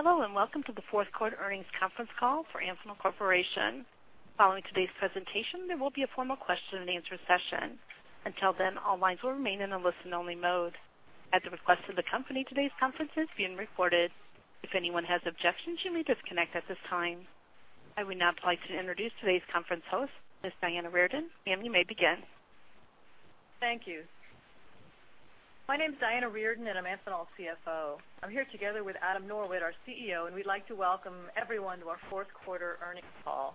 Hello, and welcome to the Q4 Earnings Conference Call for Amphenol Corporation. Following today's presentation, there will be a formal question-and-answer session. Until then, all lines will remain in a listen-only mode. At the request of the company, today's conference is being recorded. If anyone has objections, you may disconnect at this time. I would now like to introduce today's conference host, Ms. Diana Reardon. Ma'am, you may begin. Thank you. My name is Diana Reardon, and I'm Amphenol's CFO. I'm here together with Adam Norwitt, our CEO, and we'd like to welcome everyone to our Q4 Earnings Call.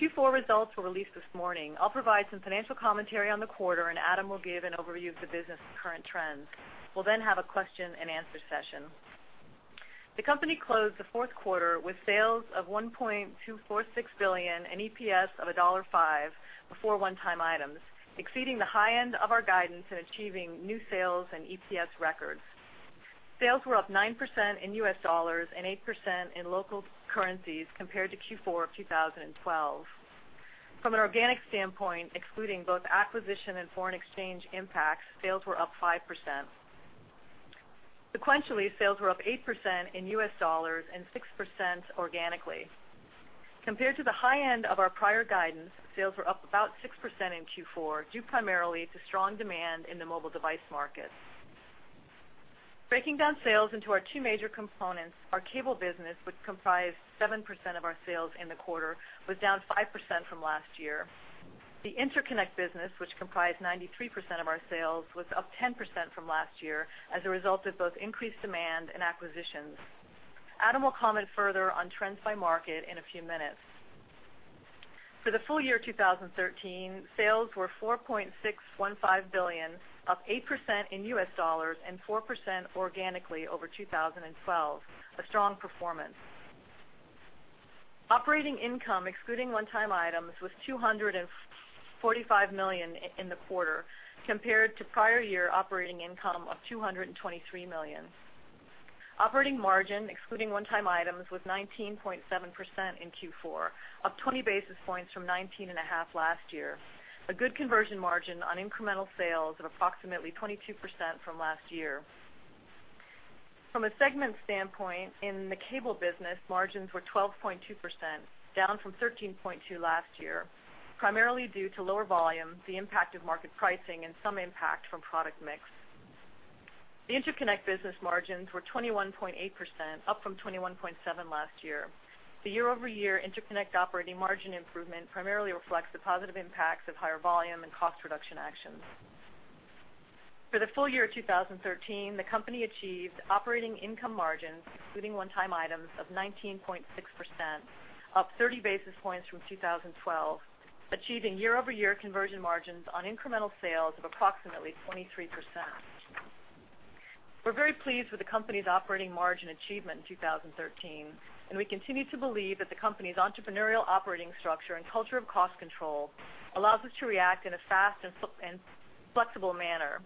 Q4 results were released this morning. I'll provide some financial commentary on the quarter, and Adam will give an overview of the business and current trends. We'll then have a question-and-answer session. The company closed the Q4 with sales of $1.246 billion and EPS of $1.5 before one-time items, exceeding the high end of our guidance and achieving new sales and EPS records. Sales were up 9% in U.S. dollars and 8% in local currencies compared to Q4 of 2012. From an organic standpoint, excluding both acquisition and foreign exchange impacts, sales were up 5%. Sequentially, sales were up 8% in U.S. dollars and 6% organically. Compared to the high end of our prior guidance, sales were up about 6% in Q4, due primarily to strong demand in the mobile device market. Breaking down sales into our two major components, our cable business, which comprised 7% of our sales in the quarter, was down 5% from last year. The interconnect business, which comprised 93% of our sales, was up 10% from last year as a result of both increased demand and acquisitions. Adam will comment further on trends by market in a few minutes. For the full year 2013, sales were $4.615 billion, up 8% in U.S. dollars and 4% organically over 2012, a strong performance. Operating income, excluding one-time items, was $245 million in the quarter, compared to prior year operating income of $223 million. Operating margin, excluding one-time items, was 19.7% in Q4, up 20 basis points from 19.5 last year, a good conversion margin on incremental sales of approximately 22% from last year. From a segment standpoint, in the cable business, margins were 12.2%, down from 13.2 last year, primarily due to lower volume, the impact of market pricing, and some impact from product mix. The interconnect business margins were 21.8%, up from 21.7 last year. The year-over-year interconnect operating margin improvement primarily reflects the positive impacts of higher volume and cost reduction actions. For the full year 2013, the company achieved operating income margins, including one-time items, of 19.6%, up 30 basis points from 2012, achieving year-over-year conversion margins on incremental sales of approximately 23%. We're very pleased with the company's operating margin achievement in 2013, and we continue to believe that the company's entrepreneurial operating structure and culture of cost control allows us to react in a fast and flexible manner,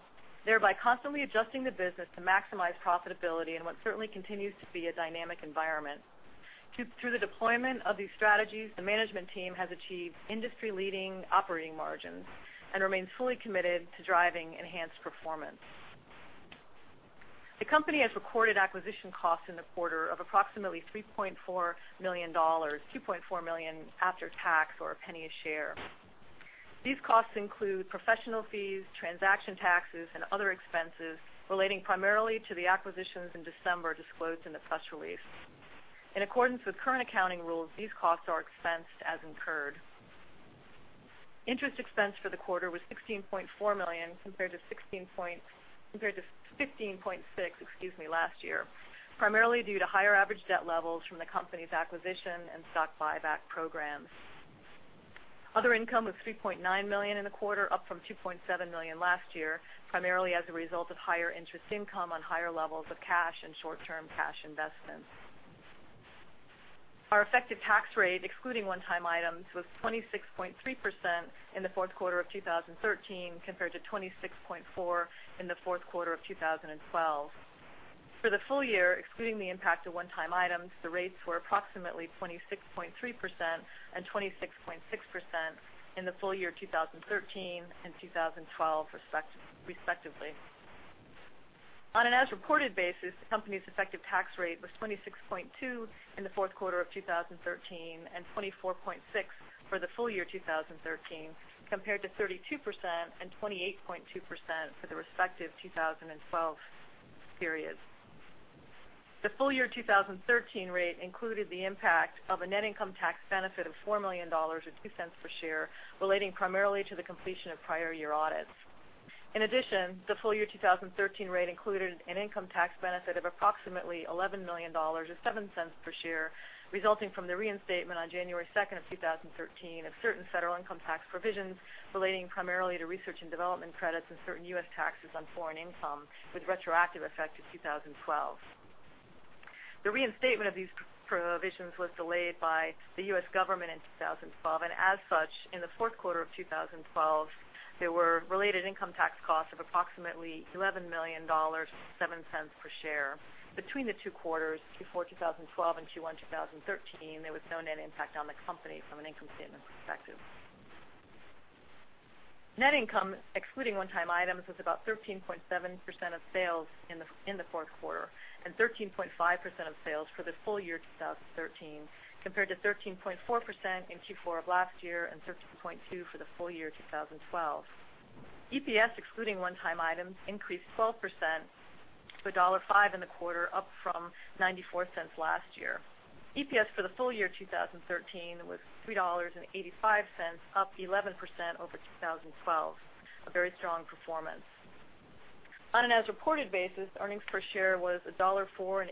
thereby constantly adjusting the business to maximize profitability in what certainly continues to be a dynamic environment. Through the deployment of these strategies, the management team has achieved industry-leading operating margins and remains fully committed to driving enhanced performance. The company has recorded acquisition costs in the quarter of approximately $3.4 million, $2.4 million after tax, or $0.01 per share. These costs include professional fees, transaction taxes, and other expenses relating primarily to the acquisitions in December disclosed in the press release. In accordance with current accounting rules, these costs are expensed as incurred. Interest expense for the quarter was $16.4 million, compared to fifteen point six, excuse me, last year, primarily due to higher average debt levels from the company's acquisition and stock buyback programs. Other income was $3.9 million in the quarter, up from $2.7 million last year, primarily as a result of higher interest income on higher levels of cash and short-term cash investments. Our effective tax rate, excluding one-time items, was 26.3% in the Q4 of 2013, compared to 26.4% in the Q4 of 2012. For the full year, excluding the impact of one-time items, the rates were approximately 26.3% and 26.6% in the full year 2013 and 2012, respectively. On an as-reported basis, the company's effective tax rate was 26.2% in the Q4 of 2013 and 24.6% for the full year 2013, compared to 32% and 28.2% for the respective 2012 periods. The full year 2013 rate included the impact of a net income tax benefit of $4 million, or $0.02 per share, relating primarily to the completion of prior year audits. In addition, the full year 2013 rate included an income tax benefit of approximately $11 million, or $0.07 per share, resulting from the reinstatement on 2 January, 2013, of certain federal income tax provisions relating primarily to research and development credits and certain US taxes on foreign income, with retroactive effect to 2012. The reinstatement of these provisions was delayed by the US government in 2012, and as such, in the Q4 of 2012, there were related income tax costs of approximately $11 million, or $0.07 per share. Between the two quarters, Q4 2012 and Q1 2013, there was no net impact on the company from an income statement perspective.... Net income, excluding one-time items, was about 13.7% of sales in the Q4 and 13.5% of sales for the full year 2013, compared to 13.4% in Q4 of last year and 13.2% for the full year 2012. EPS, excluding one-time items, increased 12% to $1.05 in the quarter, up from $0.94 last year. EPS for the full year, 2013, was $3.85, up 11% over 2012, a very strong performance. On an as-reported basis, earnings per share was $1.04 and $0.86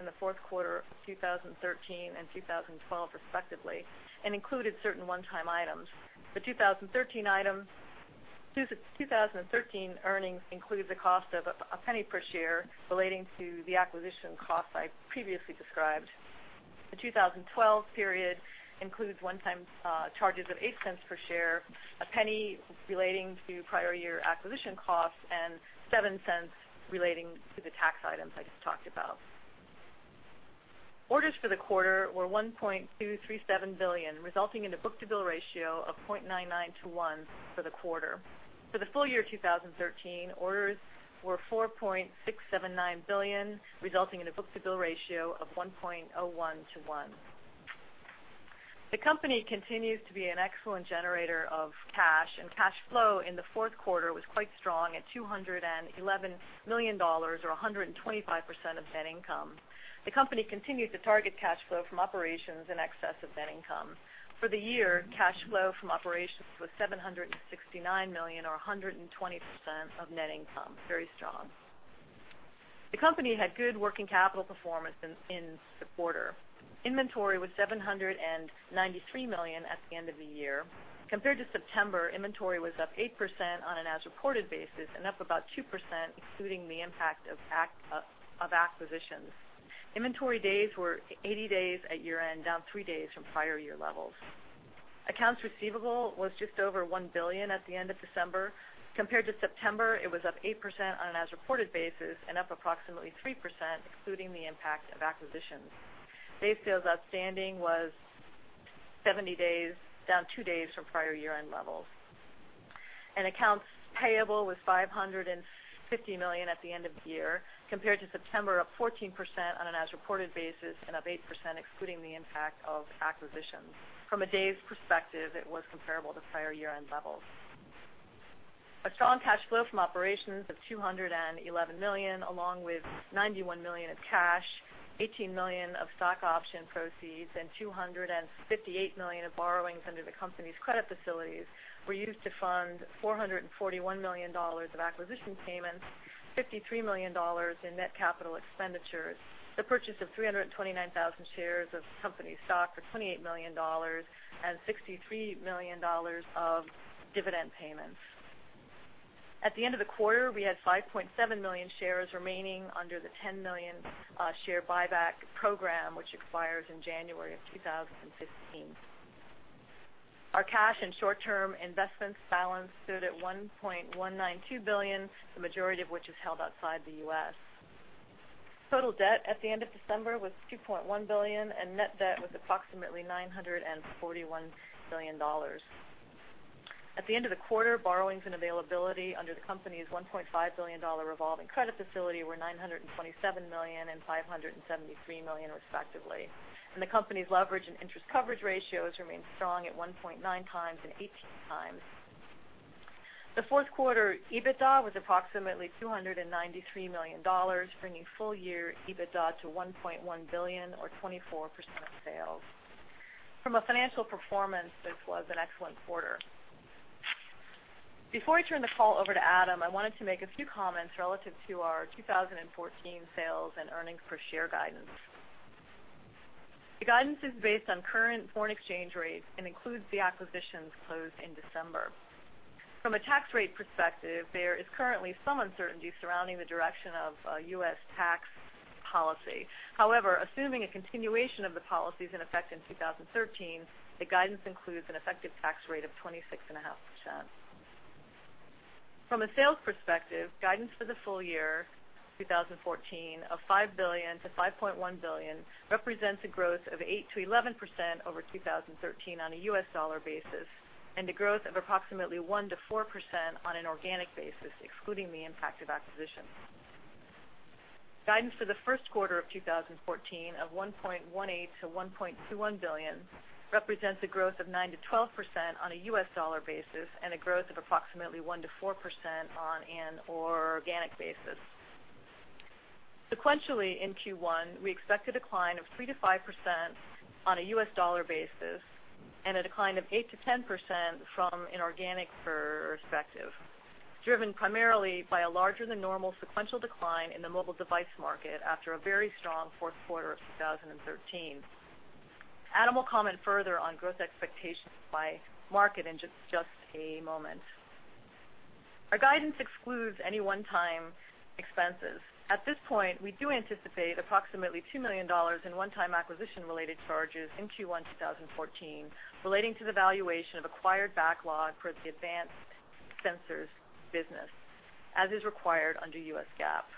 in the Q4 of 2013 and 2012, respectively, and included certain one-time items. The 2013 item, two, 2013 earnings include the cost of a penny per share relating to the acquisition costs I previously described. The 2012 period includes one-time charges of $ 0.08 per share, a penny relating to prior year acquisition costs, and $ 0.07 relating to the tax items I just talked about. Orders for the quarter were $1.237 billion, resulting in a book-to-bill ratio of 0.99 to 1 for the quarter. For the full year, 2013, orders were $4.679 billion, resulting in a book-to-bill ratio of 1.01 to 1. The company continues to be an excellent generator of cash, and cash flow in the Q4 was quite strong at $211 million or 125% of net income. The company continued to target cash flow from operations in excess of net income. For the year, cash flow from operations was $769 million, or 120% of net income. Very strong. The company had good working capital performance in the quarter. Inventory was $793 million at the end of the year. Compared to September, inventory was up 8% on an as-reported basis and up about 2%, excluding the impact of acquisitions. Inventory days were 80 days at year-end, down three days from prior year levels. Accounts receivable was just over $1 billion at the end of December. Compared to September, it was up 8% on an as-reported basis and up approximately 3%, excluding the impact of acquisitions. Days sales outstanding was 70 days, down two days from prior year-end levels. And accounts payable was $550 million at the end of the year. Compared to September, up 14% on an as-reported basis and up 8% excluding the impact of acquisitions. From a days perspective, it was comparable to prior year-end levels. A strong cash flow from operations of $211 million, along with $91 million of cash, $18 million of stock option proceeds, and $258 million of borrowings under the company's credit facilities, were used to fund $441 million of acquisition payments, $53 million in net capital expenditures, the purchase of 329,000 shares of company stock for $28 million, and $63 million of dividend payments. At the end of the quarter, we had 5.7 million shares remaining under the 10 million share buyback program, which expires in January 2015. Our cash and short-term investments balance stood at $1.192 billion, the majority of which is held outside the U.S. Total debt at the end of December was $2.1 billion, and net debt was approximately $941 billion. At the end of the quarter, borrowings and availability under the company's $1.5 billion revolving credit facility were $927 million and $573 million, respectively, and the company's leverage and interest coverage ratios remain strong at 1.9 times and 18 times. The Q4 EBITDA was approximately $293 million, bringing full year EBITDA to $1.1 billion or 24% of sales. From a financial performance, this was an excellent quarter. Before I turn the call over to Adam, I wanted to make a few comments relative to our 2014 sales and earnings per share guidance. The guidance is based on current foreign exchange rates and includes the acquisitions closed in December. From a tax rate perspective, there is currently some uncertainty surrounding the direction of U.S. tax policy. However, assuming a continuation of the policies in effect in 2013, the guidance includes an effective tax rate of 26.5%. From a sales perspective, guidance for the full year 2014 of $5 billion-$5.1 billion represents a growth of 8%-11% over 2013 on a U.S. dollar basis, and a growth of approximately 1%-4% on an organic basis, excluding the impact of acquisitions. Guidance for the Q1 of 2014 of $1.18 billion-$1.21 billion represents a growth of 9%-12% on a U.S. dollar basis and a growth of approximately 1%-4% on an organic basis. Sequentially, in Q1, we expect a decline of 3%-5% on a U.S. dollar basis and a decline of 8%-10% from an organic perspective, driven primarily by a larger than normal sequential decline in the mobile device market after a very strong Q4 of 2013. Adam will comment further on growth expectations by market in just a moment. Our guidance excludes any one-time expenses. At this point, we do anticipate approximately $2 million in one-time acquisition-related charges in Q1 2014, relating to the valuation of acquired backlog for the Advanced Sensors business, as is required under U.S. GAAP.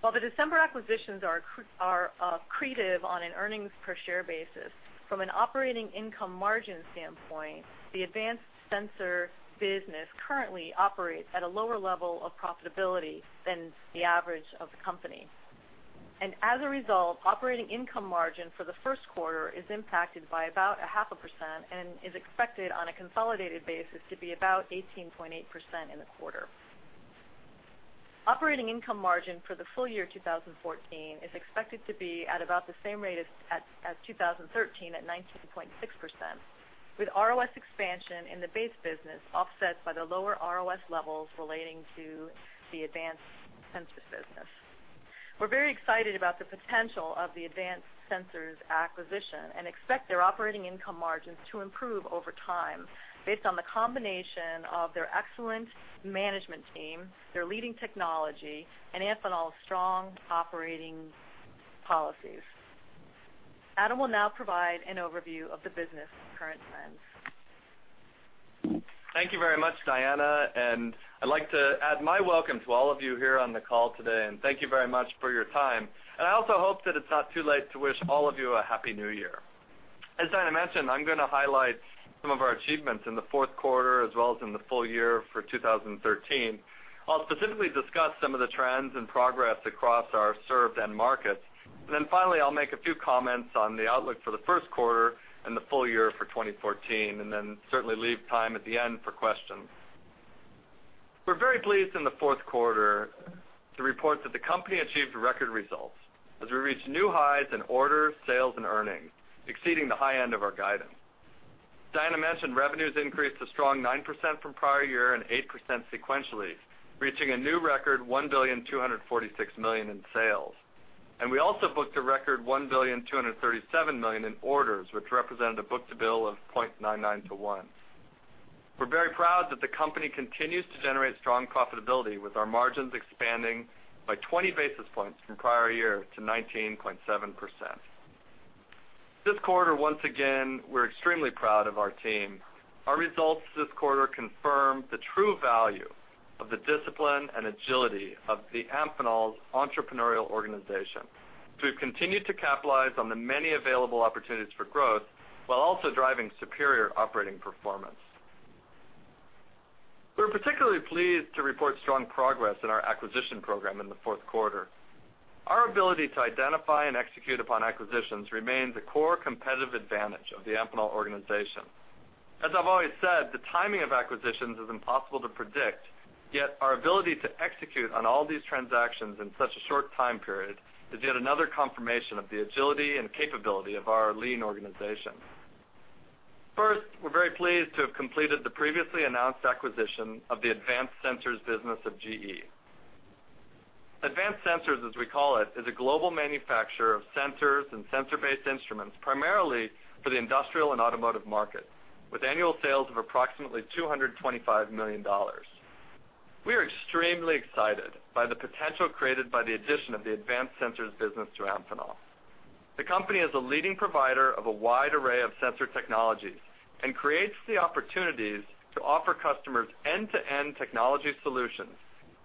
While the December acquisitions are accretive on an earnings per share basis, from an operating income margin standpoint, the Advanced Sensors business currently operates at a lower level of profitability than the average of the company. As a result, operating income margin for the Q1 is impacted by about 0.5% and is expected, on a consolidated basis, to be about 18.8% in the quarter. Operating income margin for the full year 2014 is expected to be at about the same rate as 2013, at 19.6%, with ROS expansion in the base business offset by the lower ROS levels relating to the Advanced Sensors business. We're very excited about the potential of the Advanced Sensors acquisition and expect their operating income margins to improve over time based on the combination of their excellent management team, their leading technology, and Amphenol's strong operating policies. Adam will now provide an overview of the business current trends. Thank you very much, Diana, and I'd like to add my welcome to all of you here on the call today, and thank you very much for your time. I also hope that it's not too late to wish all of you a Happy New Year. As Diana mentioned, I'm gonna highlight some of our achievements in the Q4, as well as in the full year for 2013. I'll specifically discuss some of the trends and progress across our served end markets. Then finally, I'll make a few comments on the outlook for the Q1 and the full year for 2014, and then certainly leave time at the end for questions. We're very pleased in the Q4 to report that the company achieved record results as we reached new highs in orders, sales, and earnings, exceeding the high end of our guidance. Diana mentioned revenues increased a strong 9% from prior year and 8% sequentially, reaching a new record, $1.246 billion in sales. We also booked a record $1.237 billion in orders, which represented a book-to-bill of 0.99 to 1. We're very proud that the company continues to generate strong profitability, with our margins expanding by 20 basis points from prior year to 19.7%. This quarter, once again, we're extremely proud of our team. Our results this quarter confirm the true value of the discipline and agility of Amphenol's entrepreneurial organization, to continue to capitalize on the many available opportunities for growth while also driving superior operating performance. We're particularly pleased to report strong progress in our acquisition program in the Q4. Our ability to identify and execute upon acquisitions remains a core competitive advantage of the Amphenol organization. As I've always said, the timing of acquisitions is impossible to predict, yet our ability to execute on all these transactions in such a short time period is yet another confirmation of the agility and capability of our lean organization. First, we're very pleased to have completed the previously announced acquisition of the Advanced Sensors business of GE. Advanced Sensors, as we call it, is a global manufacturer of sensors and sensor-based instruments, primarily for the industrial and automotive markets, with annual sales of approximately $225 million. We are extremely excited by the potential created by the addition of the Advanced Sensors business to Amphenol. The company is a leading provider of a wide array of sensor technologies and creates the opportunities to offer customers end-to-end technology solutions,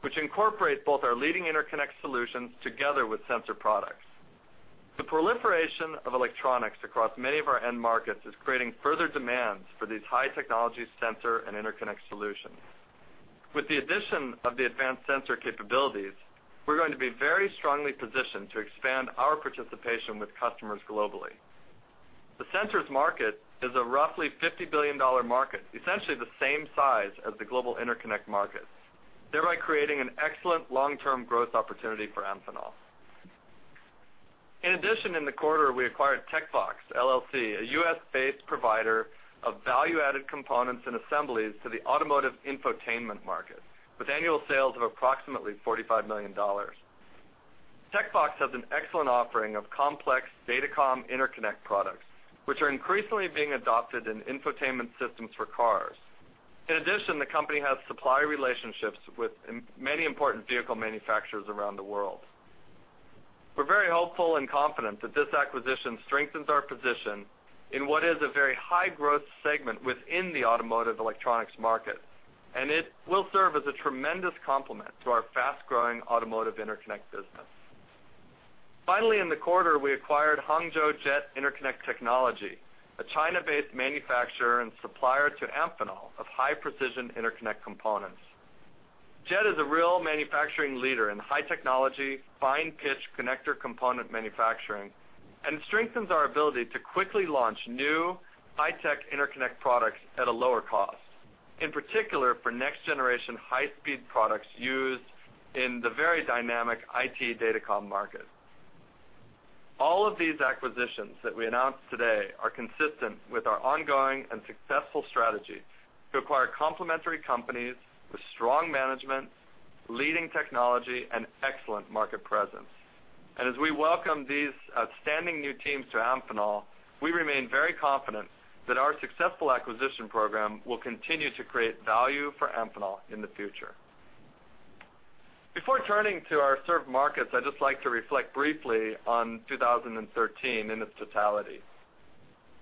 which incorporate both our leading interconnect solutions together with sensor products. The proliferation of electronics across many of our end markets is creating further demands for these high-technology sensor and interconnect solutions. With the addition of the Advanced Sensors capabilities, we're going to be very strongly positioned to expand our participation with customers globally. The sensors market is a roughly $50 billion market, essentially the same size as the global interconnect market, thereby creating an excellent long-term growth opportunity for Amphenol. In addition, in the quarter, we acquired Tecvox LLC, a U.S.-based provider of value-added components and assemblies to the automotive infotainment market, with annual sales of approximately $45 million. Tecvox has an excellent offering of complex datacom interconnect products, which are increasingly being adopted in infotainment systems for cars. In addition, the company has supply relationships with many important vehicle manufacturers around the world. We're very hopeful and confident that this acquisition strengthens our position in what is a very high-growth segment within the automotive electronics market, and it will serve as a tremendous complement to our fast-growing automotive interconnect business. Finally, in the quarter, we acquired Hangzhou JET Interconnect Technology, a China-based manufacturer and supplier to Amphenol of high-precision interconnect components. JET is a real manufacturing leader in high-technology, fine-pitch connector component manufacturing, and it strengthens our ability to quickly launch new, high-tech interconnect products at a lower cost, in particular, for next-generation, high-speed products used in the very dynamic IT datacom market. All of these acquisitions that we announced today are consistent with our ongoing and successful strategy to acquire complementary companies with strong management, leading technology, and excellent market presence. As we welcome these outstanding new teams to Amphenol, we remain very confident that our successful acquisition program will continue to create value for Amphenol in the future. Before turning to our served markets, I'd just like to reflect briefly on 2013 in its totality.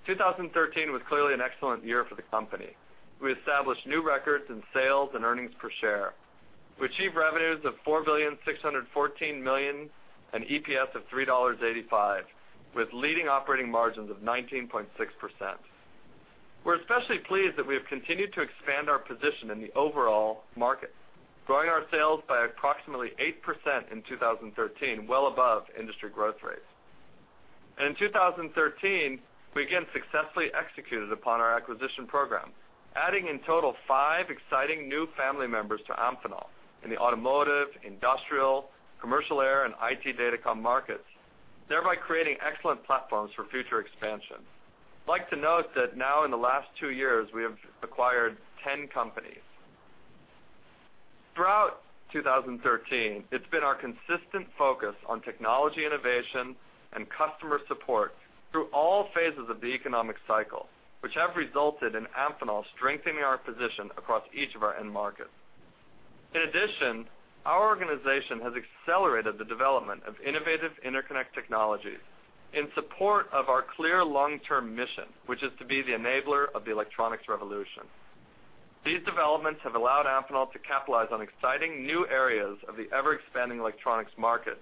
2013 was clearly an excellent year for the company. We established new records in sales and earnings per share. We achieved revenues of $4.614 billion, and EPS of $3.85, with leading operating margins of 19.6%. We're especially pleased that we have continued to expand our position in the overall market, growing our sales by approximately 8% in 2013, well above industry growth rates. And in 2013, we again successfully executed upon our acquisition program, adding, in total, five exciting new family members to Amphenol in the automotive, industrial, commercial air, and IT datacom markets, thereby creating excellent platforms for future expansion. I'd like to note that now in the last two years, we have acquired 10 companies. Throughout 2013, it's been our consistent focus on technology innovation and customer support through all phases of the economic cycle, which have resulted in Amphenol strengthening our position across each of our end markets. In addition, our organization has accelerated the development of innovative interconnect technologies in support of our clear long-term mission, which is to be the enabler of the electronics revolution. These developments have allowed Amphenol to capitalize on exciting new areas of the ever-expanding electronics market,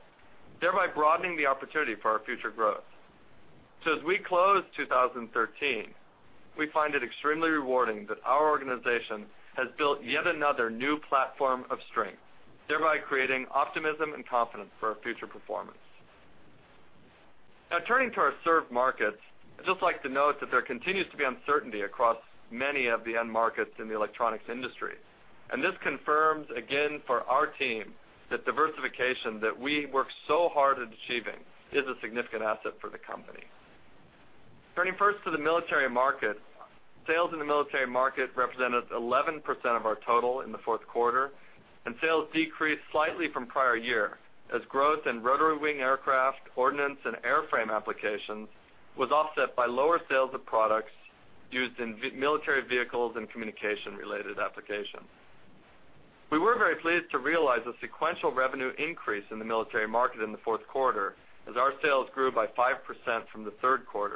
thereby broadening the opportunity for our future growth. So as we close 2013, we find it extremely rewarding that our organization has built yet another new platform of strength, thereby creating optimism and confidence for our future performance. Now, turning to our served markets, I'd just like to note that there continues to be uncertainty across many of the end markets in the electronics industry, and this confirms, again, for our team, that diversification that we worked so hard at achieving is a significant asset for the company. Turning first to the military market, sales in the military market represented 11% of our total in the Q4, and sales decreased slightly from prior year, as growth in rotary wing aircraft, ordnance, and airframe applications was offset by lower sales of products used in military vehicles and communication-related applications. We were very pleased to realize a sequential revenue increase in the military market in the Q4, as our sales grew by 5% from the Q3,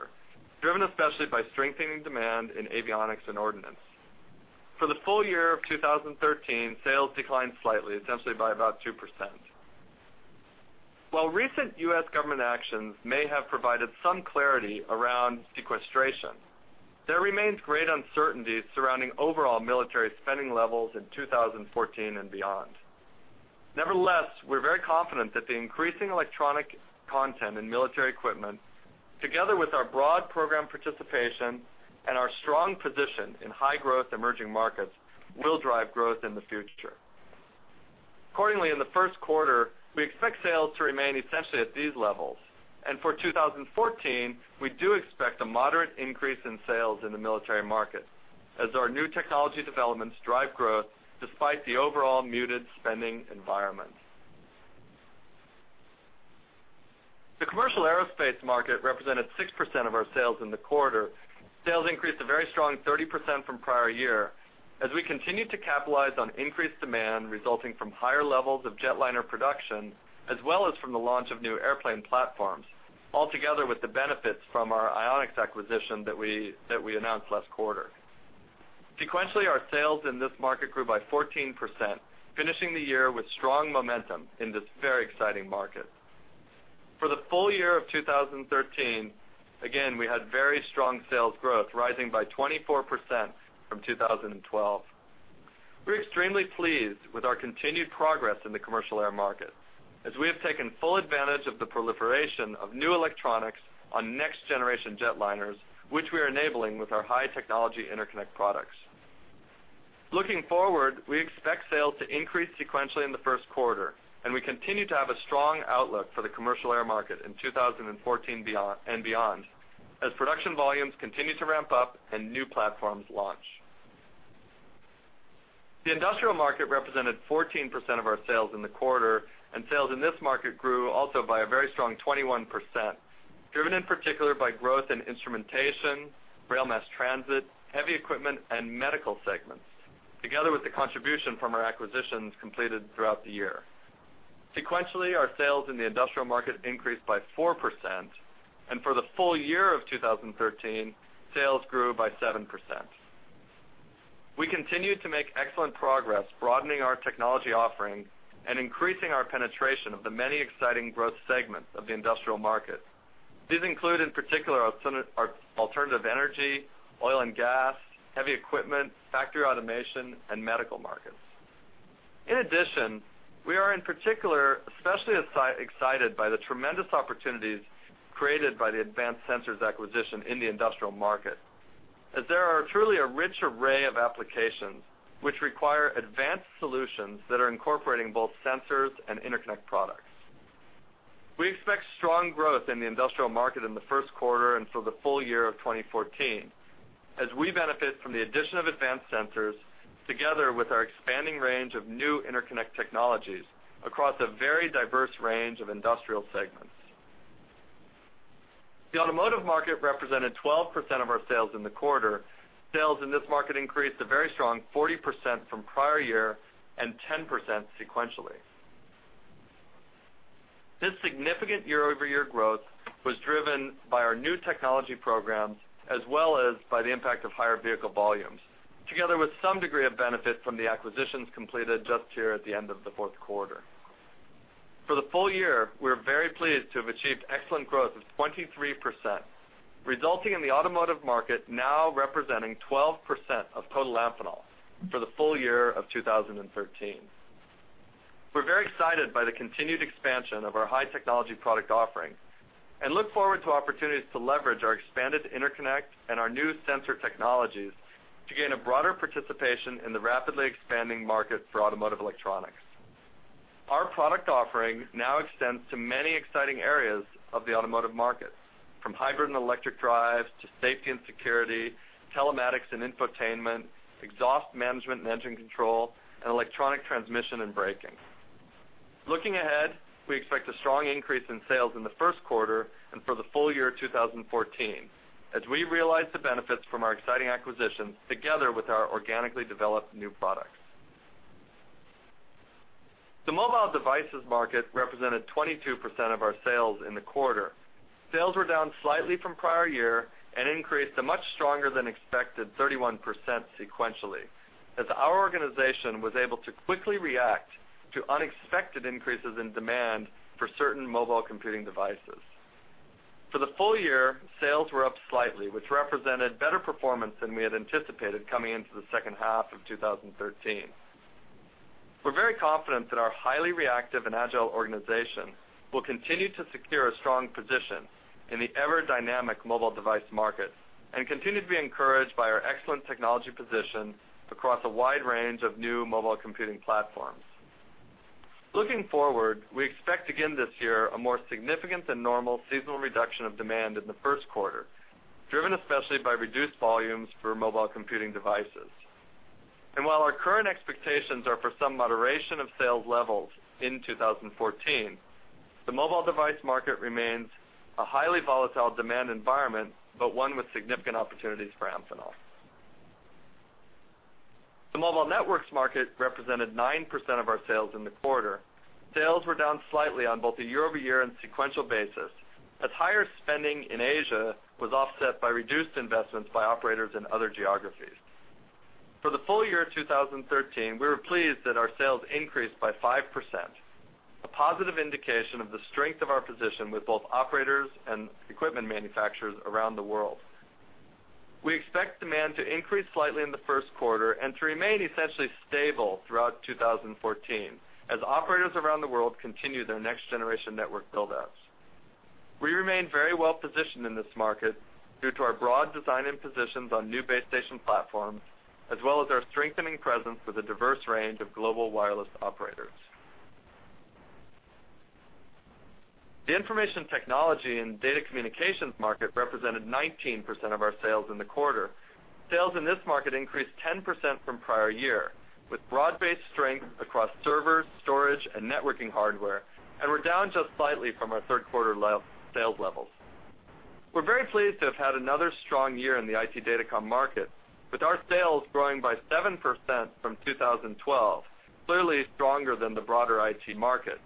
driven especially by strengthening demand in avionics and ordnance. For the full year of 2013, sales declined slightly, essentially by about 2%. While recent U.S. government actions may have provided some clarity around sequestration, there remains great uncertainty surrounding overall military spending levels in 2014 and beyond. Nevertheless, we're very confident that the increasing electronic content in military equipment, together with our broad program participation and our strong position in high-growth emerging markets, will drive growth in the future. Accordingly, in the Q1, we expect sales to remain essentially at these levels, and for 2014, we do expect a moderate increase in sales in the military market as our new technology developments drive growth despite the overall muted spending environment. The commercial aerospace market represented 6% of our sales in the quarter. Sales increased a very strong 30% from prior year, as we continued to capitalize on increased demand resulting from higher levels of jetliner production, as well as from the launch of new airplane platforms, altogether with the benefits from our Ionix acquisition that we announced last quarter. Sequentially, our sales in this market grew by 14%, finishing the year with strong momentum in this very exciting market. For the full year of 2013, again, we had very strong sales growth, rising by 24% from 2012. We're extremely pleased with our continued progress in the commercial air market, as we have taken full advantage of the proliferation of new electronics on next-generation jetliners, which we are enabling with our high-technology interconnect products. Looking forward, we expect sales to increase sequentially in the Q1, and we continue to have a strong outlook for the commercial air market in 2014 beyond - and beyond, as production volumes continue to ramp up and new platforms launch. The industrial market represented 14% of our sales in the quarter, and sales in this market grew also by a very strong 21%, driven in particular by growth in instrumentation, rail mass transit, heavy equipment, and medical segments, together with the contribution from our acquisitions completed throughout the year. Sequentially, our sales in the industrial market increased by 4%, and for the full year of 2013, sales grew by 7%. We continued to make excellent progress, broadening our technology offerings and increasing our penetration of the many exciting growth segments of the industrial market. These include, in particular, our alternative energy, oil and gas, heavy equipment, factory automation, and medical markets. In addition, we are, in particular, especially excited by the tremendous opportunities created by the Advanced Sensors acquisition in the industrial market, as there are truly a rich array of applications which require advanced solutions that are incorporating both sensors and interconnect products. We expect strong growth in the industrial market in the Q1 and for the full year of 2014, as we benefit from the addition of Advanced Sensors, together with our expanding range of new interconnect technologies across a very diverse range of industrial segments. The automotive market represented 12% of our sales in the quarter. Sales in this market increased a very strong 40% from prior year and 10% sequentially... This significant year-over-year growth was driven by our new technology programs, as well as by the impact of higher vehicle volumes, together with some degree of benefit from the acquisitions completed just here at the end of the Q4. For the full year, we're very pleased to have achieved excellent growth of 23%, resulting in the automotive market now representing 12% of total Amphenol for the full year of 2013. We're very excited by the continued expansion of our high technology product offerings, and look forward to opportunities to leverage our expanded interconnect and our new sensor technologies to gain a broader participation in the rapidly expanding market for automotive electronics. Our product offering now extends to many exciting areas of the automotive market, from hybrid and electric drives to safety and security, telematics and infotainment, exhaust management and engine control, and electronic transmission and braking. Looking ahead, we expect a strong increase in sales in the Q1 and for the full year 2014, as we realize the benefits from our exciting acquisitions, together with our organically developed new products. The mobile devices market represented 22% of our sales in the quarter. Sales were down slightly from prior year and increased a much stronger than expected 31% sequentially, as our organization was able to quickly react to unexpected increases in demand for certain mobile computing devices. For the full year, sales were up slightly, which represented better performance than we had anticipated coming into the second half of 2013. We're very confident that our highly reactive and agile organization will continue to secure a strong position in the ever-dynamic mobile device market, and continue to be encouraged by our excellent technology position across a wide range of new mobile computing platforms. Looking forward, we expect, again this year, a more significant than normal seasonal reduction of demand in the Q1, driven especially by reduced volumes for mobile computing devices. While our current expectations are for some moderation of sales levels in 2014, the mobile device market remains a highly volatile demand environment, but one with significant opportunities for Amphenol. The mobile networks market represented 9% of our sales in the quarter. Sales were down slightly on both the year-over-year and sequential basis, as higher spending in Asia was offset by reduced investments by operators in other geographies. For the full year 2013, we were pleased that our sales increased by 5%, a positive indication of the strength of our position with both operators and equipment manufacturers around the world. We expect demand to increase slightly in the Q1 and to remain essentially stable throughout 2014, as operators around the world continue their next-generation network build-outs. We remain very well positioned in this market due to our broad design and positions on new base station platforms, as well as our strengthening presence with a diverse range of global wireless operators. The information technology and data communications market represented 19% of our sales in the quarter. Sales in this market increased 10% from prior year, with broad-based strength across servers, storage, and networking hardware, and were down just slightly from our Q3 sales levels. We're very pleased to have had another strong year in the IT datacom market, with our sales growing by 7% from 2012, clearly stronger than the broader IT market,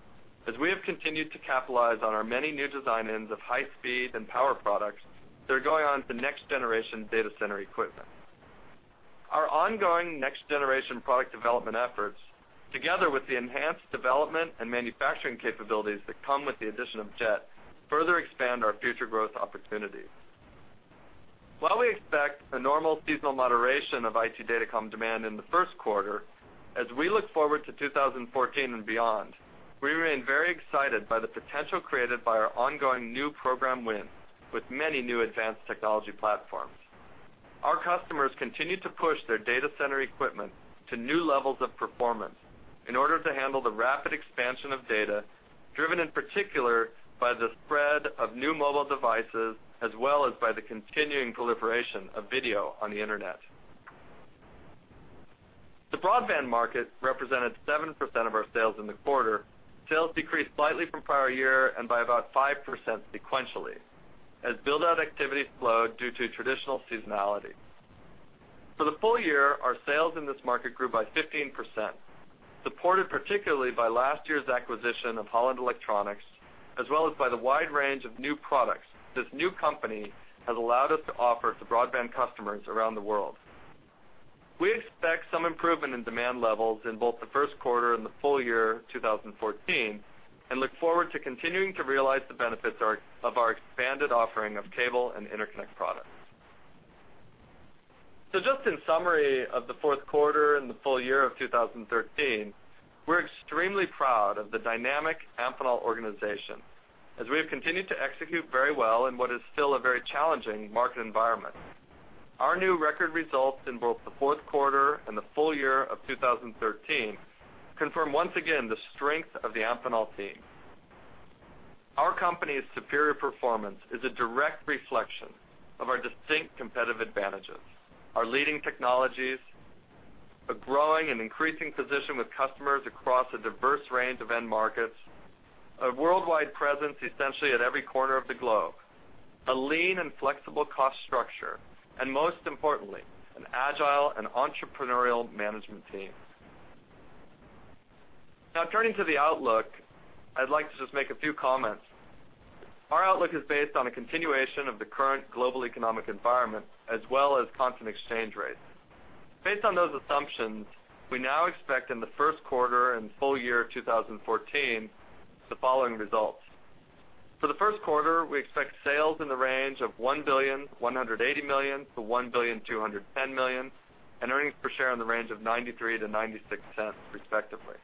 as we have continued to capitalize on our many new design ends of high speed and power products that are going on to next-generation data center equipment. Our ongoing next-generation product development efforts, together with the enhanced development and manufacturing capabilities that come with the addition of JET, further expand our future growth opportunities. While we expect a normal seasonal moderation of IT datacom demand in the Q1, as we look forward to 2014 and beyond, we remain very excited by the potential created by our ongoing new program wins with many new advanced technology platforms. Our customers continue to push their data center equipment to new levels of performance in order to handle the rapid expansion of data, driven in particular by the spread of new mobile devices, as well as by the continuing proliferation of video on the internet. The broadband market represented 7% of our sales in the quarter. Sales decreased slightly from prior year and by about 5% sequentially, as build-out activity slowed due to traditional seasonality. For the full year, our sales in this market grew by 15%, supported particularly by last year's acquisition of Holland Electronics, as well as by the wide range of new products this new company has allowed us to offer to broadband customers around the world. We expect some improvement in demand levels in both the Q1 and the full year 2014, and look forward to continuing to realize the benefits of our expanded offering of cable and interconnect products. So just in summary of the Q4 and the full year of 2013, we're extremely proud of the dynamic Amphenol organization, as we have continued to execute very well in what is still a very challenging market environment. Our new record results in both the Q4 and the full year of 2013 confirm once again the strength of the Amphenol team. Our company's superior performance is a direct reflection of our distinct competitive advantages, our leading technologies, a growing and increasing position with customers across a diverse range of end markets, a worldwide presence essentially at every corner of the globe, a lean and flexible cost structure, and most importantly, an agile and entrepreneurial management team. Now, turning to the outlook, I'd like to just make a few comments. Our outlook is based on a continuation of the current global economic environment, as well as constant exchange rates. Based on those assumptions, we now expect in the Q1 and full year of 2014, the following results: For the Q1, we expect sales in the range of $1.18 billion-$1.21 billion, and earnings per share in the range of $0.93-$0.96, respectively.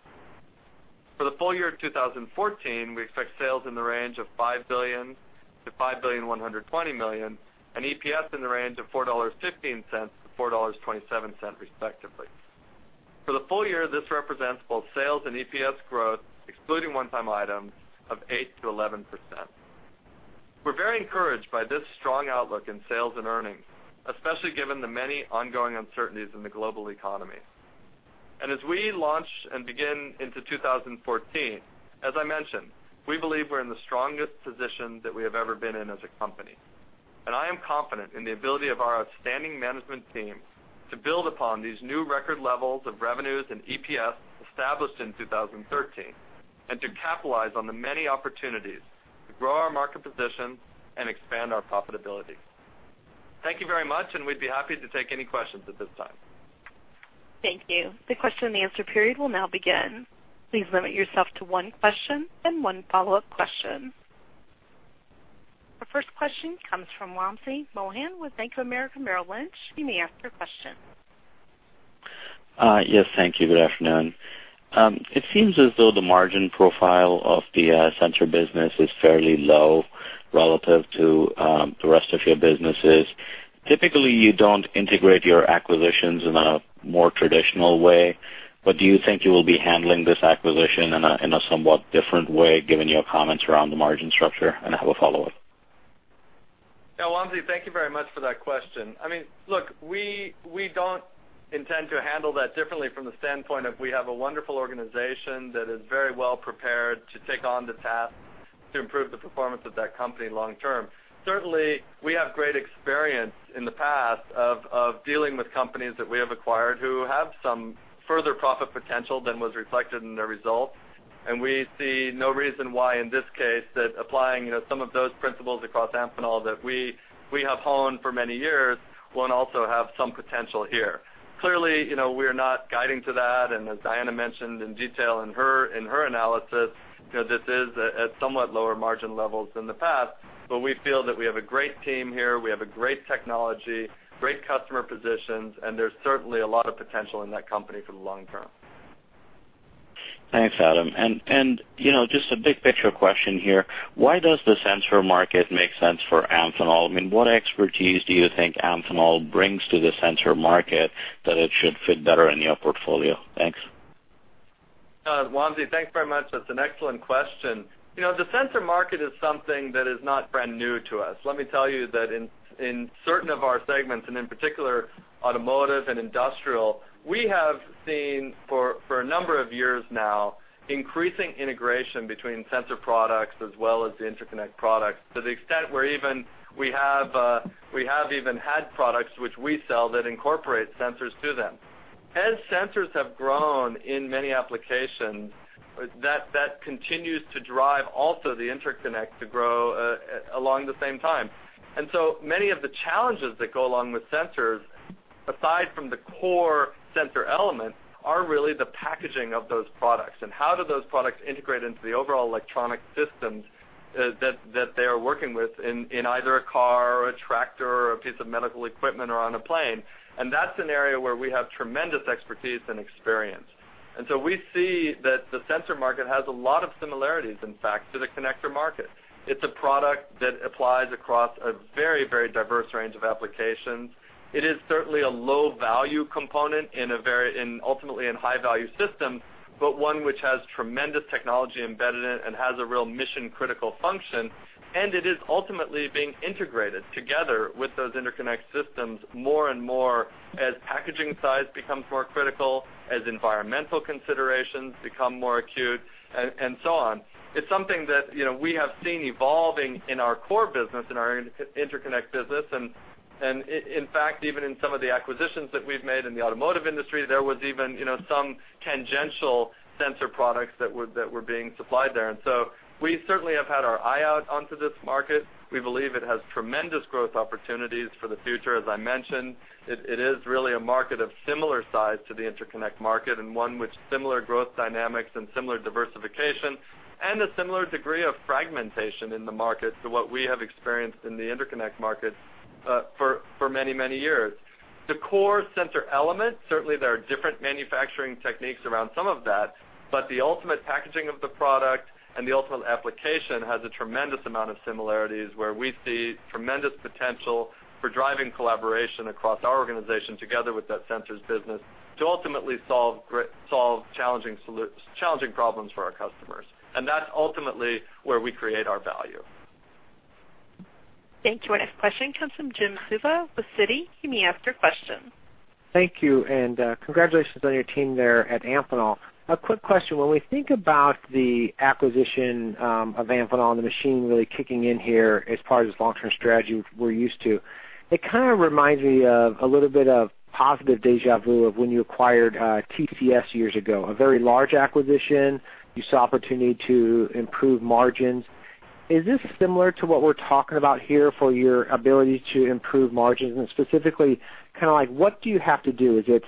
For the full year of 2014, we expect sales in the range of $5 billion-$5.12 billion, and EPS in the range of $4.15-$4.27, respectively. For the full year, this represents both sales and EPS growth, excluding one-time items, of 8%-11%. We're very encouraged by this strong outlook in sales and earnings, especially given the many ongoing uncertainties in the global economy. As we launch and begin into 2014, as I mentioned, we believe we're in the strongest position that we have ever been in as a company. I am confident in the ability of our outstanding management team to build upon these new record levels of revenues and EPS established in 2013, and to capitalize on the many opportunities to grow our market position and expand our profitability. Thank you very much, and we'd be happy to take any questions at this time. Thank you. The question and answer period will now begin. Please limit yourself to one question and one follow-up question. Our first question comes from Vamsi Mohan with Bank of America Merrill Lynch. You may ask your question. Yes, thank you. Good afternoon. It seems as though the margin profile of the sensor business is fairly low relative to the rest of your businesses. Typically, you don't integrate your acquisitions in a more traditional way, but do you think you will be handling this acquisition in a somewhat different way, given your comments around the margin structure? And I have a follow-up. Yeah, Vamsi, thank you very much for that question. I mean, look, we, we don't intend to handle that differently from the standpoint of we have a wonderful organization that is very well prepared to take on the task to improve the performance of that company long term. Certainly, we have great experience in the past of, of dealing with companies that we have acquired who have some further profit potential than was reflected in their results. And we see no reason why, in this case, that applying, you know, some of those principles across Amphenol that we, we have honed for many years, won't also have some potential here. Clearly, you know, we're not guiding to that, and as Diana mentioned in detail in her analysis, you know, this is at somewhat lower margin levels than the past, but we feel that we have a great team here, we have a great technology, great customer positions, and there's certainly a lot of potential in that company for the long term. Thanks, Adam. And, you know, just a big picture question here, why does the sensor market make sense for Amphenol? I mean, what expertise do you think Amphenol brings to the sensor market that it should fit better in your portfolio? Thanks. Vamsi, thanks very much. That's an excellent question. You know, the sensor market is something that is not brand new to us. Let me tell you that in, in certain of our segments, and in particular, automotive and industrial, we have seen for, for a number of years now, increasing integration between sensor products as well as the interconnect products, to the extent where even we have, we have even had products which we sell that incorporate sensors to them. As sensors have grown in many applications, that, that continues to drive also the interconnect to grow, along the same time. And so many of the challenges that go along with sensors, aside from the core sensor elements, are really the packaging of those products, and how do those products integrate into the overall electronic systems that they are working with in either a car or a tractor or a piece of medical equipment or on a plane. That's an area where we have tremendous expertise and experience. We see that the sensor market has a lot of similarities, in fact, to the connector market. It's a product that applies across a very diverse range of applications. It is certainly a low-value component in a very high-value system, but one which has tremendous technology embedded in it and has a real mission-critical function. And it is ultimately being integrated together with those interconnect systems more and more as packaging size becomes more critical, as environmental considerations become more acute, and so on. It's something that, you know, we have seen evolving in our core business, in our interconnect business. And in fact, even in some of the acquisitions that we've made in the automotive industry, there was even, you know, some tangential sensor products that were being supplied there. And so we certainly have had our eye out onto this market. We believe it has tremendous growth opportunities for the future. As I mentioned, it is really a market of similar size to the interconnect market and one with similar growth dynamics and similar diversification, and a similar degree of fragmentation in the market to what we have experienced in the interconnect market, for many, many years. The core sensor elements, certainly there are different manufacturing techniques around some of that, but the ultimate packaging of the product and the ultimate application has a tremendous amount of similarities, where we see tremendous potential for driving collaboration across our organization, together with that sensors business, to ultimately solve challenging problems for our customers. And that's ultimately where we create our value. Thank you. Our next question comes from Jim Suva with Citi. You may ask your question. ...Thank you, and congratulations on your team there at Amphenol. A quick question: When we think about the acquisition of Amphenol and the machine really kicking in here as part of this long-term strategy we're used to, it kind of reminds me of a little bit of positive déjà vu of when you acquired TCS years ago, a very large acquisition. You saw opportunity to improve margins. Is this similar to what we're talking about here for your ability to improve margins? And specifically, kind of like, what do you have to do? Is it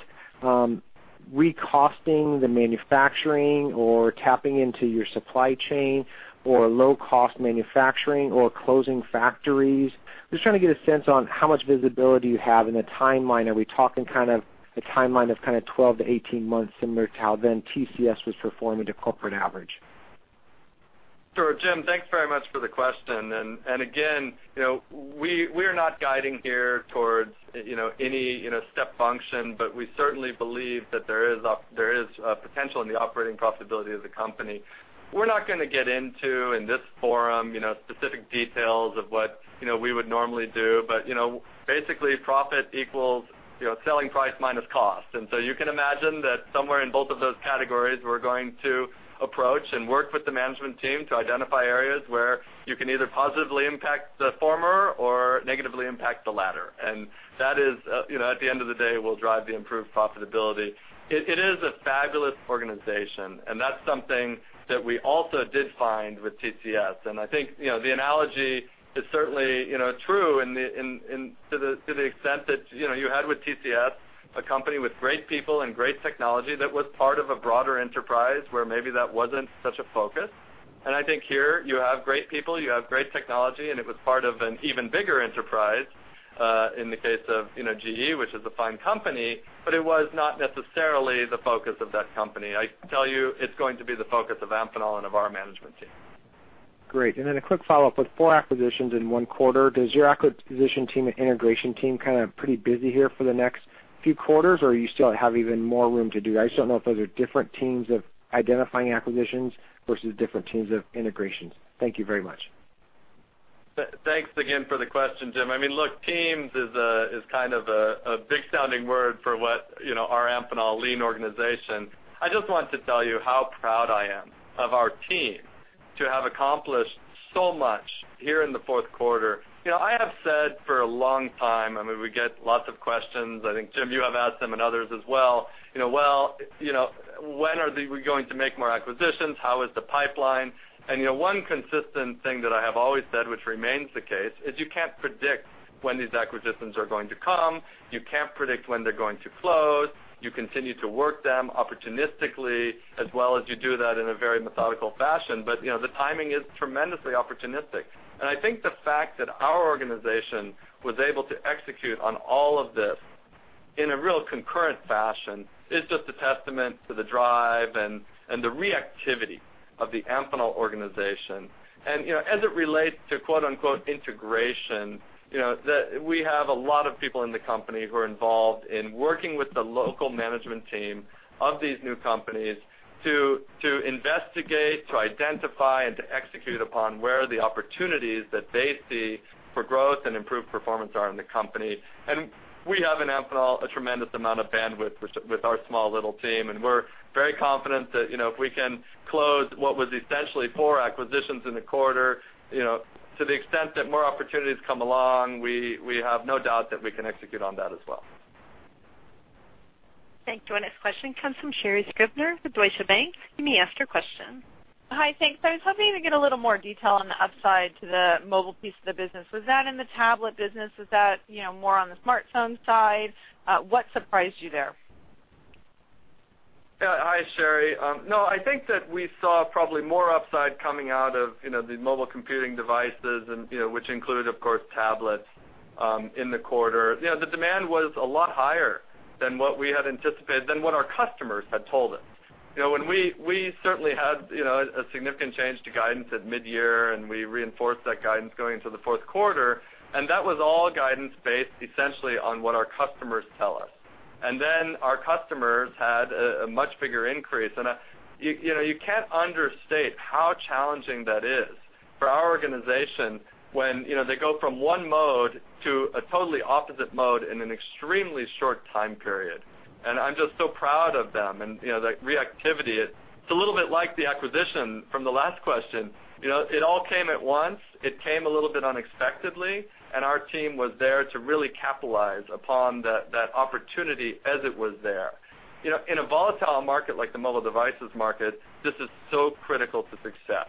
re-costing the manufacturing or tapping into your supply chain or low-cost manufacturing or closing factories? Just trying to get a sense on how much visibility you have in the timeline. Are we talking kind of a timeline of kind of 12-18 months, similar to how then TCS was performing to corporate average? Sure, Jim, thanks very much for the question. And again, you know, we're not guiding here towards, you know, any, you know, step function, but we certainly believe that there is a potential in the operating profitability of the company. We're not gonna get into, in this forum, you know, specific details of what, you know, we would normally do, but, you know, basically, profit equals, you know, selling price minus cost. And so you can imagine that somewhere in both of those categories, we're going to approach and work with the management team to identify areas where you can either positively impact the former or negatively impact the latter. And that is, you know, at the end of the day, will drive the improved profitability. It is a fabulous organization, and that's something that we also did find with TCS. I think, you know, the analogy is certainly, you know, true to the extent that, you know, you had with TCS, a company with great people and great technology that was part of a broader enterprise where maybe that wasn't such a focus. I think here, you have great people, you have great technology, and it was part of an even bigger enterprise in the case of, you know, GE, which is a fine company, but it was not necessarily the focus of that company. I tell you, it's going to be the focus of Amphenol and of our management team. Great. And then a quick follow-up: With four acquisitions in one quarter, does your acquisition team and integration team kind of pretty busy here for the next few quarters, or you still have even more room to do? I just don't know if those are different teams of identifying acquisitions versus different teams of integrations. Thank you very much. Thanks again for the question, Jim. I mean, look, teams is kind of a big sounding word for what, you know, our Amphenol lean organization. I just want to tell you how proud I am of our team to have accomplished so much here in the Q4. You know, I have said for a long time, I mean, we get lots of questions. I think, Jim, you have asked them and others as well, you know, well, you know, when are we going to make more acquisitions? How is the pipeline? And, you know, one consistent thing that I have always said, which remains the case, is you can't predict when these acquisitions are going to come. You can't predict when they're going to close. You continue to work them opportunistically, as well as you do that in a very methodical fashion, but, you know, the timing is tremendously opportunistic. And I think the fact that our organization was able to execute on all of this in a real concurrent fashion is just a testament to the drive and the reactivity of the Amphenol organization. And, you know, as it relates to quote-unquote integration, you know, we have a lot of people in the company who are involved in working with the local management team of these new companies to investigate, to identify, and to execute upon where the opportunities that they see for growth and improved performance are in the company. We have in Amphenol a tremendous amount of bandwidth with our small, little team, and we're very confident that, you know, if we can close what was essentially four acquisitions in the quarter, you know, to the extent that more opportunities come along, we have no doubt that we can execute on that as well. Thanks. Our next question comes from Sherri Scribner with Deutsche Bank. You may ask your question. Hi, thanks. I was hoping to get a little more detail on the upside to the mobile piece of the business. Was that in the tablet business? Was that, you know, more on the smartphone side? What surprised you there? Yeah. Hi, Sherry. No, I think that we saw probably more upside coming out of, you know, the mobile computing devices and, you know, which included, of course, tablets, in the quarter. You know, the demand was a lot higher than what we had anticipated, than what our customers had told us. You know, when we, we certainly had, you know, a significant change to guidance at midyear, and we reinforced that guidance going into the Q4, and that was all guidance based essentially on what our customers tell us. And, you, you know, you can't understate how challenging that is for our organization when, you know, they go from one mode to a totally opposite mode in an extremely short time period. I'm just so proud of them and, you know, the reactivity. It's a little bit like the acquisition from the last question. You know, it all came at once. It came a little bit unexpectedly, and our team was there to really capitalize upon that opportunity as it was there. You know, in a volatile market like the mobile devices market, this is so critical to success.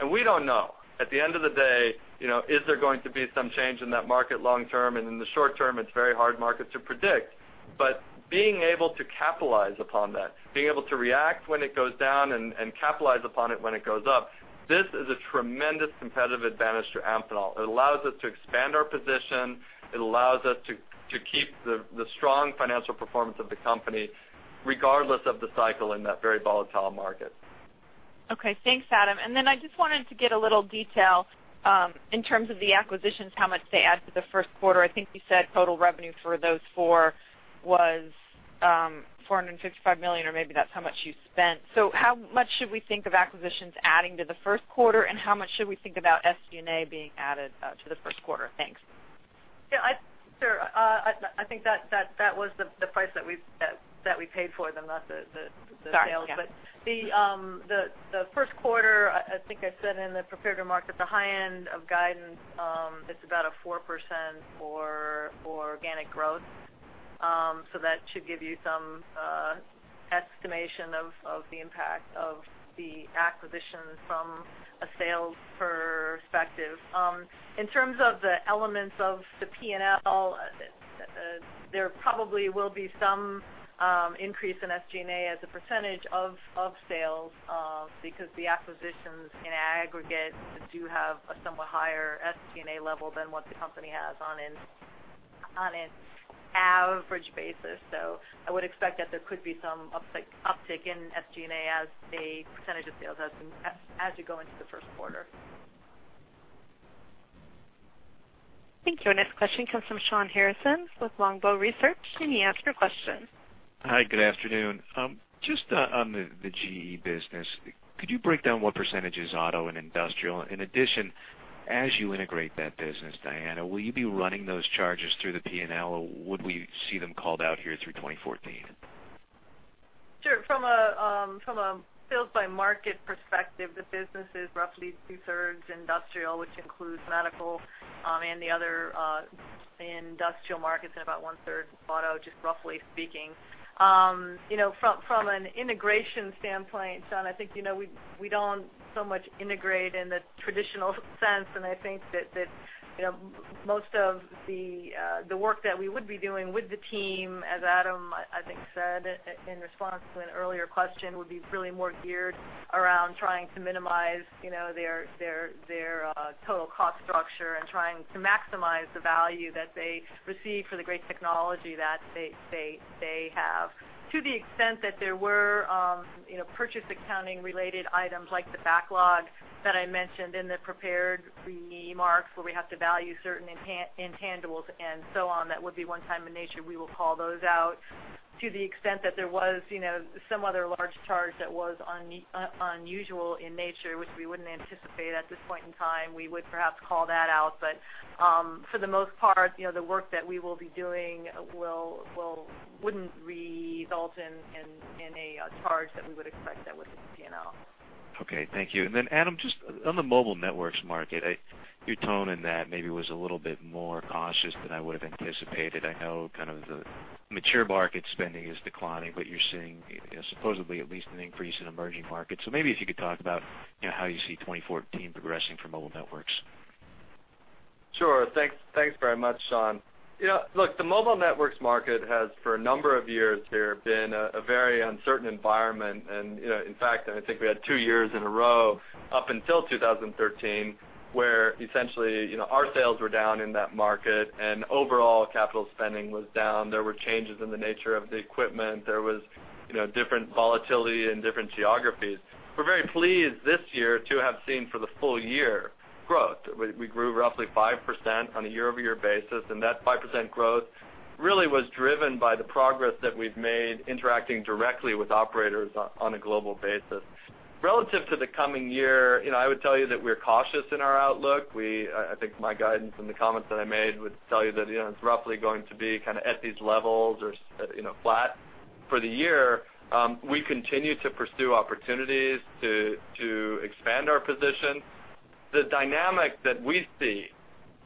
And we don't know, at the end of the day, you know, is there going to be some change in that market long term? In the short term, it's a very hard market to predict. But being able to capitalize upon that, being able to react when it goes down and capitalize upon it when it goes up, this is a tremendous competitive advantage to Amphenol. It allows us to expand our position. It allows us to keep the strong financial performance of the company, regardless of the cycle in that very volatile market. Okay. Thanks, Adam. And then I just wanted to get a little detail in terms of the acquisitions, how much they add to the Q1. I think you said total revenue for those four was?... $455 million, or maybe that's how much you spent. So how much should we think of acquisitions adding to the Q1, and how much should we think about SG&A being added to the Q1? Thanks. Yeah, I sure, I think that was the price that we paid for them, not the sales. Sorry, yeah. But the Q1, I think I said in the prepared remarks, at the high end of guidance, it's about a 4% for organic growth. So that should give you some estimation of the impact of the acquisitions from a sales perspective. In terms of the elements of the P&L, there probably will be some increase in SG&A as a percentage of sales, because the acquisitions in aggregate do have a somewhat higher SG&A level than what the company has on an average basis. So I would expect that there could be some uptick in SG&A as a percentage of sales as you go into the Q1. Thank you. Our next question comes from Shawn Harrison with Longbow Research. Can you ask your question? Hi, good afternoon. Just on the GE business, could you break down what percentage is auto and industrial? In addition, as you integrate that business, Diana, will you be running those charges through the P&L, or would we see them called out here through 2014? Sure. From a sales by market perspective, the business is roughly two-thirds industrial, which includes medical, and the other industrial markets, and about one-third auto, just roughly speaking. You know, from an integration standpoint, Shawn, I think, you know, we don't so much integrate in the traditional sense, and I think that you know, most of the work that we would be doing with the team, as Adam, I think, said in response to an earlier question, would be really more geared around trying to minimize, you know, their total cost structure and trying to maximize the value that they receive for the great technology that they have. To the extent that there were, you know, purchase accounting-related items like the backlog that I mentioned in the prepared remarks, where we have to value certain intangibles and so on, that would be one time in nature, we will call those out. To the extent that there was, you know, some other large charge that was unusual in nature, which we wouldn't anticipate at this point in time, we would perhaps call that out. But, for the most part, you know, the work that we will be doing will not result in a charge that we would expect that with the P&L. Okay, thank you. And then, Adam, just on the mobile networks market, I, your tone in that maybe was a little bit more cautious than I would've anticipated. I know kind of the mature market spending is declining, but you're seeing, supposedly, at least an increase in emerging markets. So maybe if you could talk about, you know, how you see 2014 progressing for mobile networks. Sure. Thanks, thanks very much, Shawn. You know, look, the mobile networks market has, for a number of years here, been a very uncertain environment. And, you know, in fact, I think we had two years in a row, up until 2013, where essentially, you know, our sales were down in that market and overall capital spending was down. There were changes in the nature of the equipment. There was, you know, different volatility in different geographies. We're very pleased this year to have seen, for the full year, growth. We grew roughly 5% on a year-over-year basis, and that 5% growth really was driven by the progress that we've made interacting directly with operators on a global basis. Relative to the coming year, you know, I would tell you that we're cautious in our outlook. I think my guidance and the comments that I made would tell you that, you know, it's roughly going to be kind of at these levels or you know, flat for the year. We continue to pursue opportunities to expand our position. The dynamic that we see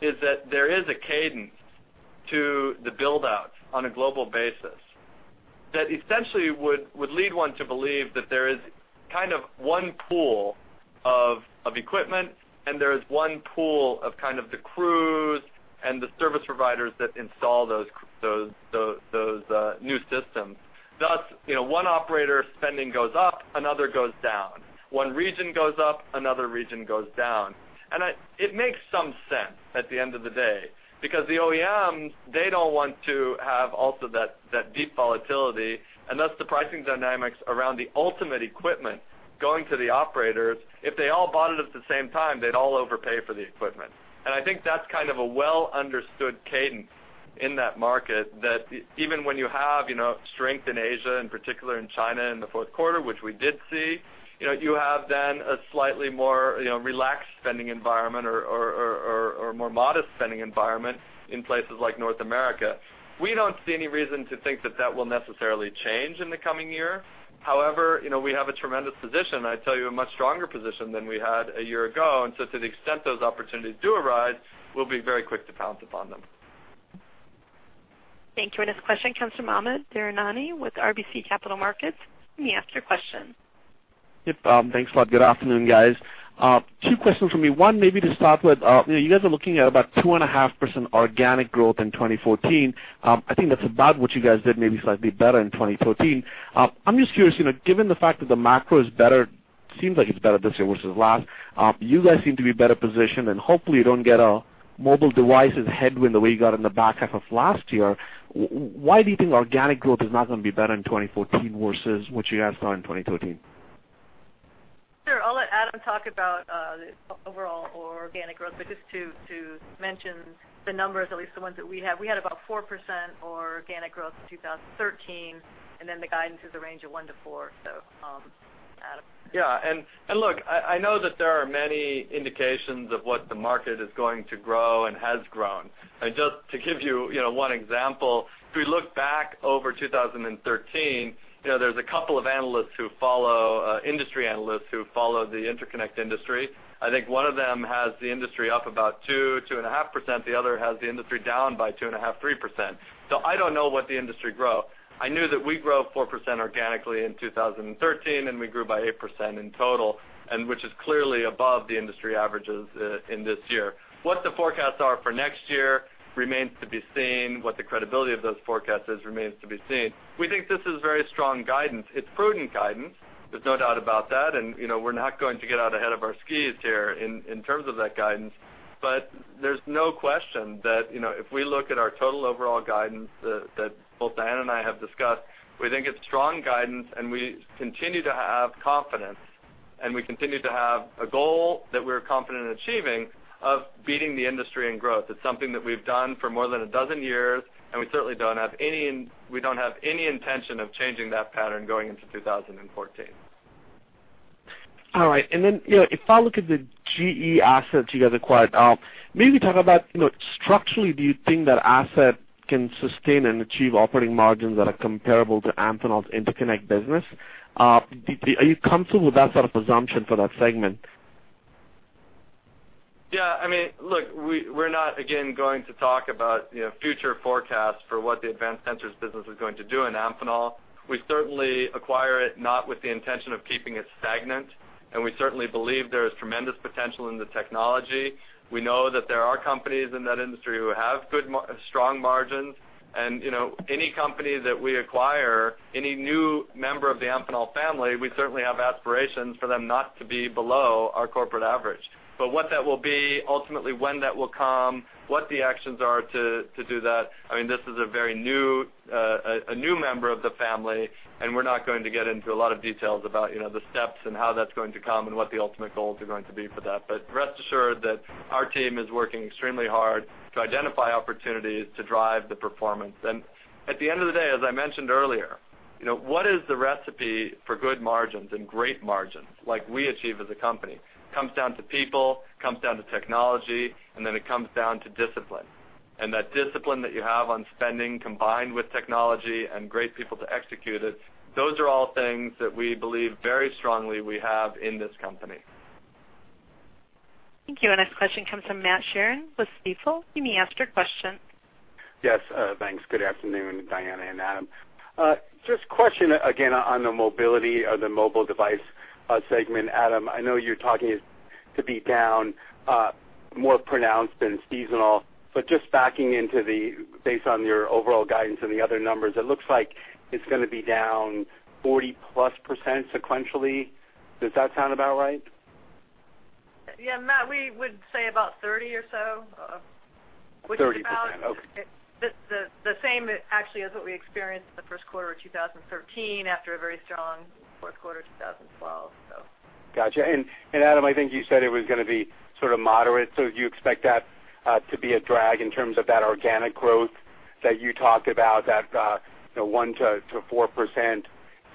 is that there is a cadence to the build-out on a global basis that essentially would lead one to believe that there is kind of one pool of equipment, and there is one pool of kind of the crews and the service providers that install those new systems. Thus, you know, one operator's spending goes up, another goes down. One region goes up, another region goes down. And it makes some sense at the end of the day, because the OEMs, they don't want to have also that, that deep volatility, and thus the pricing dynamics around the ultimate equipment going to the operators, if they all bought it at the same time, they'd all overpay for the equipment. And I think that's kind of a well-understood cadence in that market, that even when you have, you know, strength in Asia, in particular in China, in the Q4, which we did see, you know, you have then a slightly more, you know, relaxed spending environment or more modest spending environment in places like North America. We don't see any reason to think that that will necessarily change in the coming year. However, you know, we have a tremendous position, I'd tell you, a much stronger position than we had a year ago. So to the extent those opportunities do arise, we'll be very quick to pounce upon them. Thank you. Our next question comes from Amit Daryanani with RBC Capital Markets. You may ask your question. Yep, thanks a lot. Good afternoon, guys. Two questions from me. One, maybe to start with, you know, you guys are looking at about 2.5% organic growth in 2014. I think that's about what you guys did, maybe slightly better in 2013. I'm just curious, you know, given the fact that the macro is better, seems like it's better this year versus last, you guys seem to be better positioned, and hopefully, you don't get a mobile devices headwind the way you got in the back half of last year. Why do you think organic growth is not gonna be better in 2014 versus what you guys saw in 2013? ... Adam talk about, the overall organic growth, but just to, to mention the numbers, at least the ones that we have, we had about 4% organic growth in 2013, and then the guidance is a range of 1%-4%. So, Adam? Yeah, and, and look, I, I know that there are many indications of what the market is going to grow and has grown. And just to give you, you know, one example, if we look back over 2013, you know, there's a couple of analysts who follow, industry analysts who follow the interconnect industry. I think one of them has the industry up about 2-2.5%, the other has the industry down by 2.5-3%. So I don't know what the industry grow. I knew that we grew 4% organically in 2013, and we grew by 8% in total, and which is clearly above the industry averages, in this year. What the forecasts are for next year remains to be seen. What the credibility of those forecasts is remains to be seen. We think this is very strong guidance. It's prudent guidance, there's no doubt about that, and, you know, we're not going to get out ahead of our skis here in, in terms of that guidance. But there's no question that, you know, if we look at our total overall guidance that, that both Diana and I have discussed, we think it's strong guidance, and we continue to have confidence, and we continue to have a goal that we're confident in achieving of beating the industry in growth. It's something that we've done for more than a dozen years, and we certainly don't have any intention of changing that pattern going into 2014. All right. And then, you know, if I look at the GE assets you guys acquired, maybe talk about, you know, structurally, do you think that asset can sustain and achieve operating margins that are comparable to Amphenol's interconnect business? Are you comfortable with that sort of assumption for that segment? Yeah, I mean, look, we're not, again, going to talk about, you know, future forecasts for what the Advanced Sensors business is going to do in Amphenol. We certainly acquire it not with the intention of keeping it stagnant, and we certainly believe there is tremendous potential in the technology. We know that there are companies in that industry who have good strong margins, and, you know, any company that we acquire, any new member of the Amphenol family, we certainly have aspirations for them not to be below our corporate average. But what that will be, ultimately, when that will come, what the actions are to do that, I mean, this is a very new, a new member of the family, and we're not going to get into a lot of details about, you know, the steps and how that's going to come and what the ultimate goals are going to be for that. But rest assured that our team is working extremely hard to identify opportunities to drive the performance. And at the end of the day, as I mentioned earlier, you know, what is the recipe for good margins and great margins like we achieve as a company? Comes down to people, comes down to technology, and then it comes down to discipline. That discipline that you have on spending, combined with technology and great people to execute it, those are all things that we believe very strongly we have in this company. Thank you. Our next question comes from Matt Sheerin with Stifel. You may ask your question. Yes, thanks. Good afternoon, Diana and Adam. Just question again on the mobility of the mobile device segment. Adam, I know you're talking it to be down more pronounced than seasonal, but just backing into based on your overall guidance and the other numbers, it looks like it's gonna be down 40+% sequentially. Does that sound about right? Yeah, Matt, we would say about 30 or so, which is about- 30%, okay. The same actually as what we experienced in the Q1 of 2013, after a very strong Q4 of 2012, so. Gotcha. And Adam, I think you said it was gonna be sort of moderate. So do you expect that to be a drag in terms of that organic growth that you talked about, that you know, 1%-4%?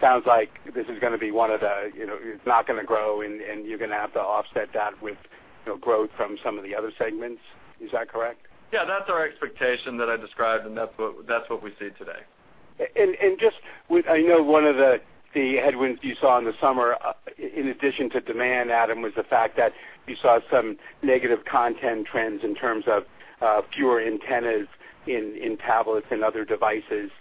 Sounds like this is gonna be one of the, you know, it's not gonna grow and you're gonna have to offset that with, you know, growth from some of the other segments. Is that correct? Yeah, that's our expectation that I described, and that's what, that's what we see today. Just with... I know one of the headwinds you saw in the summer, in addition to demand, Adam, was the fact that you saw some negative content trends in terms of fewer antennas in tablets and other devices.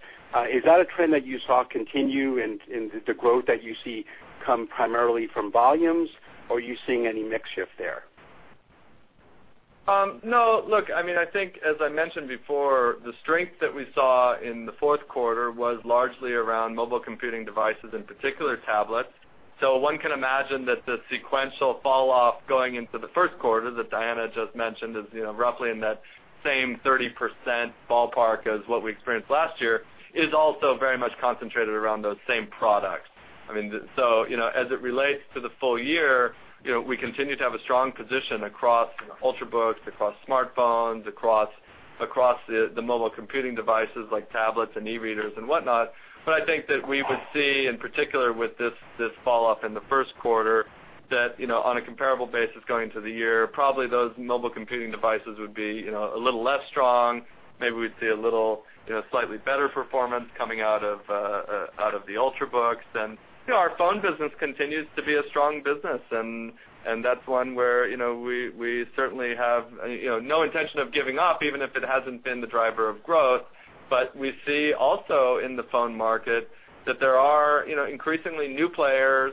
Is that a trend that you saw continue in the growth that you see come primarily from volumes, or are you seeing any mix shift there? No. Look, I mean, I think as I mentioned before, the strength that we saw in the Q4 was largely around mobile computing devices, in particular tablets. So one can imagine that the sequential falloff going into the Q1 that Diana just mentioned is, you know, roughly in that same 30% ballpark as what we experienced last year, is also very much concentrated around those same products. I mean, so, you know, as it relates to the full year, you know, we continue to have a strong position across, you know, Ultrabooks, across smartphones, across the mobile computing devices like tablets and e-readers and whatnot. But I think that we would see, in particular with this, this falloff in the Q1, that, you know, on a comparable basis, going into the year, probably those mobile computing devices would be, you know, a little less strong. Maybe we'd see a little, you know, slightly better performance coming out of the Ultrabooks. And, you know, our phone business continues to be a strong business, and that's one where, you know, we certainly have, you know, no intention of giving up, even if it hasn't been the driver of growth. But we see also in the phone market that there are, you know, increasingly new players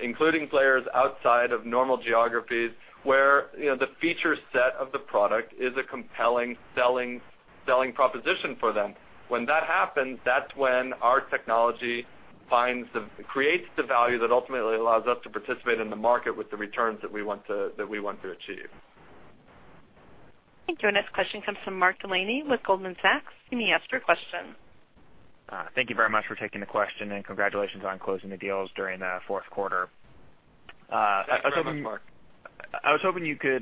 including players outside of normal geographies, where, you know, the feature set of the product is a compelling selling proposition for them. When that happens, that's when our technology creates the value that ultimately allows us to participate in the market with the returns that we want to, that we want to achieve. Thank you. Our next question comes from Mark Delaney with Goldman Sachs. You may ask your question. Thank you very much for taking the question, and congratulations on closing the deals during the Q4. I was hoping- Thanks very much, Mark. I was hoping you could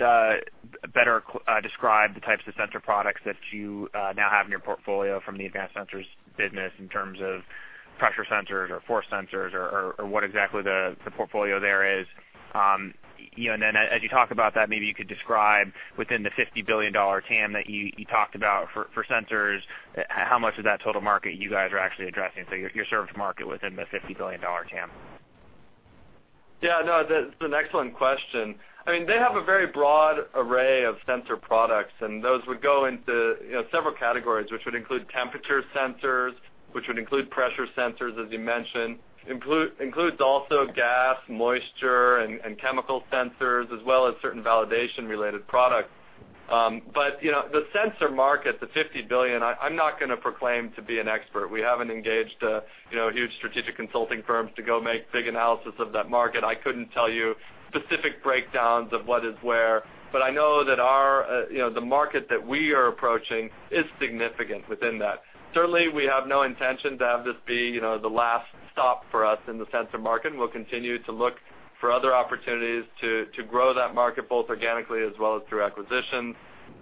better describe the types of sensor products that you now have in your portfolio from the Advanced Sensors business in terms of pressure sensors or force sensors or, or, what exactly the, the portfolio there is. You know, and then as you talk about that, maybe you could describe within the $50 billion TAM that you talked about for, for sensors, how much of that total market you guys are actually addressing, so your, your served market within the $50 billion TAM? Yeah, no, that's an excellent question. I mean, they have a very broad array of sensor products, and those would go into, you know, several categories, which would include temperature sensors, which would include pressure sensors, as you mentioned, include, includes also gas, moisture, and, and chemical sensors, as well as certain validation-related products. But, you know, the sensor market, the $50 billion, I, I'm not gonna proclaim to be an expert. We haven't engaged, you know, huge strategic consulting firms to go make big analysis of that market. I couldn't tell you specific breakdowns of what is where, but I know that our, you know, the market that we are approaching is significant within that. Certainly, we have no intention to have this be, you know, the last stop for us in the sensor market, and we'll continue to look for other opportunities to grow that market, both organically as well as through acquisitions.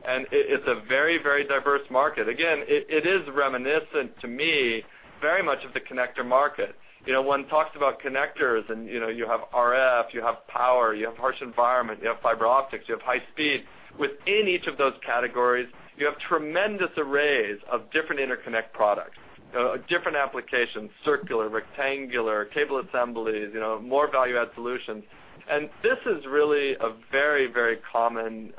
And it, it's a very, very diverse market. Again, it, it is reminiscent to me, very much of the connector market. You know, one talks about connectors and, you know, you have RF, you have power, you have harsh environment, you have fiber optics, you have high speed. Within each of those categories, you have tremendous arrays of different interconnect products, different applications, circular, rectangular, cable assemblies, you know, more value-add solutions. And this is really a very, very common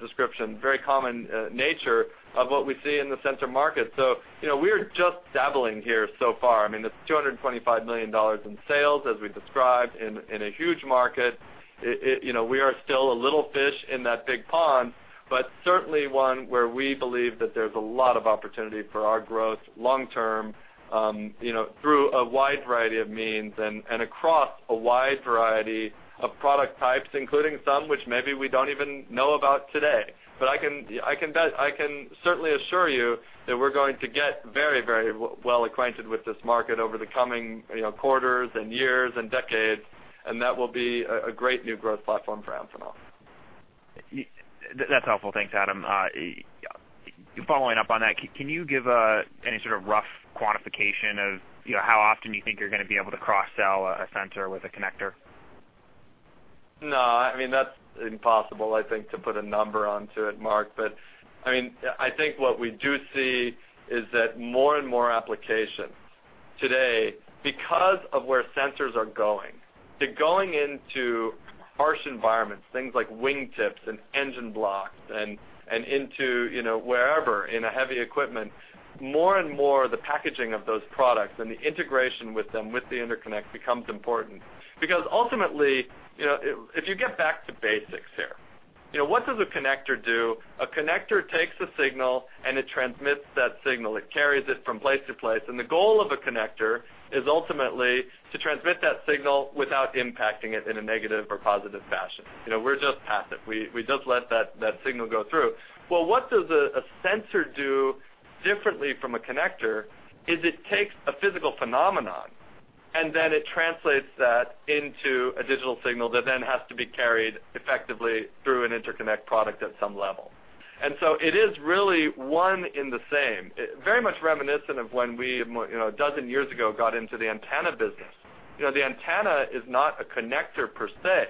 description, very common nature of what we see in the sensor market. So, you know, we're just dabbling here so far. I mean, it's $225 million in sales, as we described in a huge market. It—you know, we are still a little fish in that big pond, but certainly one where we believe that there's a lot of opportunity for our growth long term, you know, through a wide variety of means and across a wide variety of product types, including some which maybe we don't even know about today. But I can certainly assure you that we're going to get very, very well acquainted with this market over the coming, you know, quarters and years and decades, and that will be a great new growth platform for Amphenol. That's helpful. Thanks, Adam. Following up on that, can you give any sort of rough quantification of, you know, how often you think you're gonna be able to cross-sell a sensor with a connector? No, I mean, that's impossible, I think, to put a number onto it, Mark. But, I mean, I think what we do see is that more and more applications today, because of where sensors are going, they're going into harsh environments, things like wingtips and engine blocks and into, you know, wherever in a heavy equipment. More and more, the packaging of those products and the integration with them, with the interconnect, becomes important. Because ultimately, you know, if you get back to basics here, you know, what does a connector do? A connector takes a signal, and it transmits that signal. It carries it from place to place, and the goal of a connector is ultimately to transmit that signal without impacting it in a negative or positive fashion. You know, we're just passive. We just let that signal go through. Well, what does a sensor do differently from a connector? It takes a physical phenomenon, and then it translates that into a digital signal that then has to be carried effectively through an interconnect product at some level. And so it is really one and the same. It's very much reminiscent of when we, you know, a dozen years ago got into the antenna business. You know, the antenna is not a connector per se,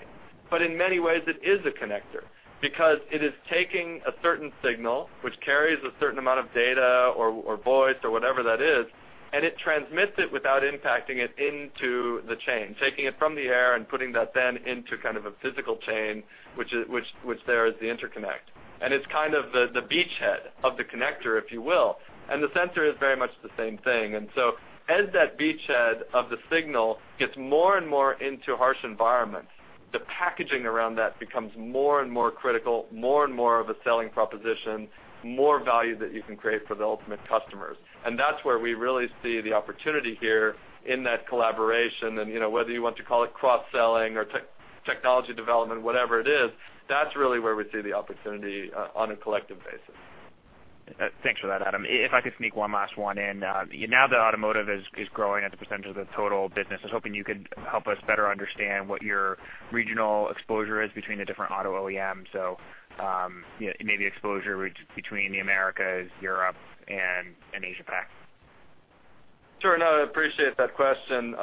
but in many ways, it is a connector because it is taking a certain signal, which carries a certain amount of data or voice or whatever that is, and it transmits it without impacting it into the chain, taking it from the air and putting that then into kind of a physical chain, which is the interconnect. And it's kind of the beachhead of the connector, if you will, and the sensor is very much the same thing. And so as that beachhead of the signal gets more and more into harsh environments, the packaging around that becomes more and more critical, more and more of a selling proposition, more value that you can create for the ultimate customers. And that's where we really see the opportunity here in that collaboration. And, you know, whether you want to call it cross-selling or technology development, whatever it is, that's really where we see the opportunity on a collective basis. Thanks for that, Adam. If I could sneak one last one in, now that automotive is growing as a percentage of the total business, I was hoping you could help us better understand what your regional exposure is between the different auto OEMs. So, you know, maybe exposure between the Americas, Europe, and Asia-Pac. Sure. No, I appreciate that question.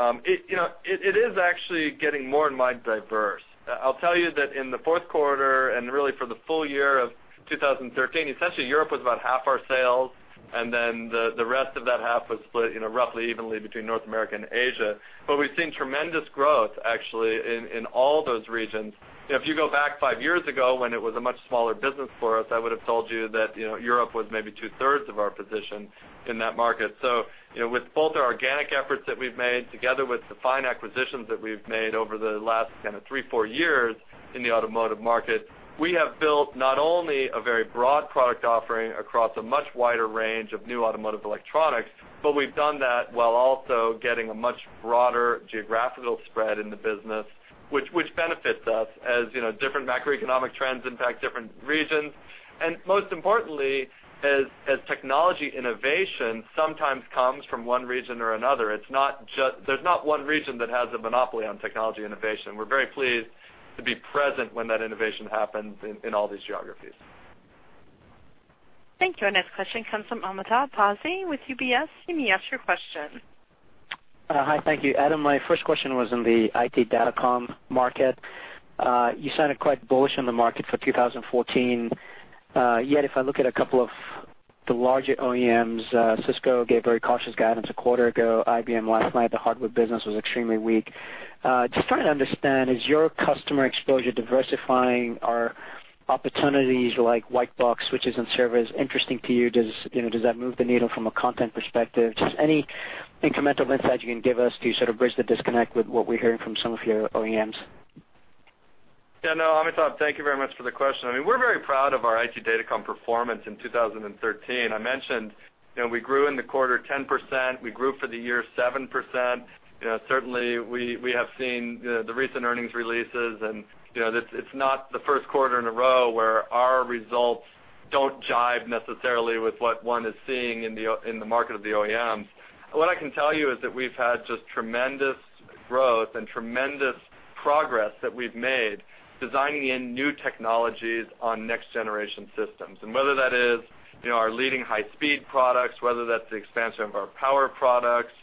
You know, it is actually getting more and more diverse. I'll tell you that in the Q4 and really for the full year of 2013, essentially Europe was about half our sales, and then the rest of that half was split, you know, roughly evenly between North America and Asia. But we've seen tremendous growth, actually, in all those regions. If you go back five years ago, when it was a much smaller business for us, I would've told you that, you know, Europe was maybe two-thirds of our position in that market. So, you know, with both our organic efforts that we've made, together with the fine acquisitions that we've made over the last kind of three, four years in the automotive market, we have built not only a very broad product offering across a much wider range of new automotive electronics, but we've done that while also getting a much broader geographical spread in the business, which benefits us, as you know, different macroeconomic trends impact different regions. And most importantly, as technology innovation sometimes comes from one region or another, it's not just, there's not one region that has a monopoly on technology innovation. We're very pleased to be present when that innovation happens in all these geographies. Thank you. Our next question comes from Amitabh Passi with UBS. You may ask your question. Hi, thank you. Adam, my first question was in the IT Datacom market. You sounded quite bullish on the market for 2014, yet if I look at a couple of the larger OEMs, Cisco gave very cautious guidance a quarter ago. IBM last night, the hardware business was extremely weak. Just trying to understand, is your customer exposure diversifying, are opportunities like white box switches and servers interesting to you? Does, you know, does that move the needle from a content perspective? Just any incremental insight you can give us to sort of bridge the disconnect with what we're hearing from some of your OEMs. Yeah, no, Amitabh, thank you very much for the question. I mean, we're very proud of our IT datacom performance in 2013. I mentioned, you know, we grew in the quarter 10%, we grew for the year 7%. You know, certainly, we have seen, you know, the recent earnings releases, and, you know, this, it's not the Q1 in a row where our results don't jive necessarily with what one is seeing in the OEMs in the market. What I can tell you is that we've had just tremendous growth and tremendous progress that we've made, designing in new technologies on next-generation systems. And whether that is, you know, our leading high-speed products, whether that's the expansion of our power products,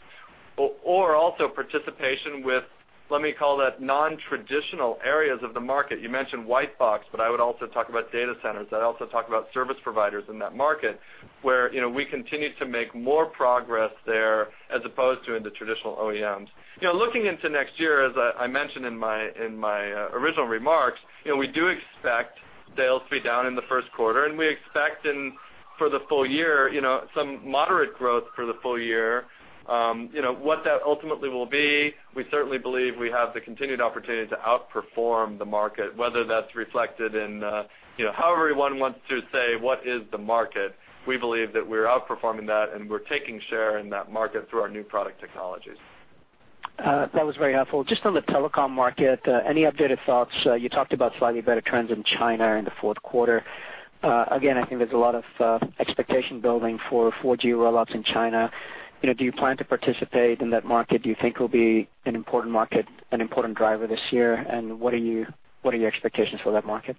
or also participation with, let me call that, nontraditional areas of the market. You mentioned white box, but I would also talk about data centers. I'd also talk about service providers in that market, where, you know, we continue to make more progress there as opposed to in the traditional OEMs. You know, looking into next year, as I mentioned in my original remarks, you know, we do expect sales to be down in the Q1, and we expect for the full year, you know, some moderate growth for the full year. You know, what that ultimately will be, we certainly believe we have the continued opportunity to outperform the market, whether that's reflected in, you know, however one wants to say, what is the market, we believe that we're outperforming that, and we're taking share in that market through our new product technologies. That was very helpful. Just on the telecom market, any updated thoughts? You talked about slightly better trends in China in the Q4. Again, I think there's a lot of expectation building for 4G rollouts in China. You know, do you plan to participate in that market? Do you think it'll be an important market, an important driver this year, and what are your expectations for that market?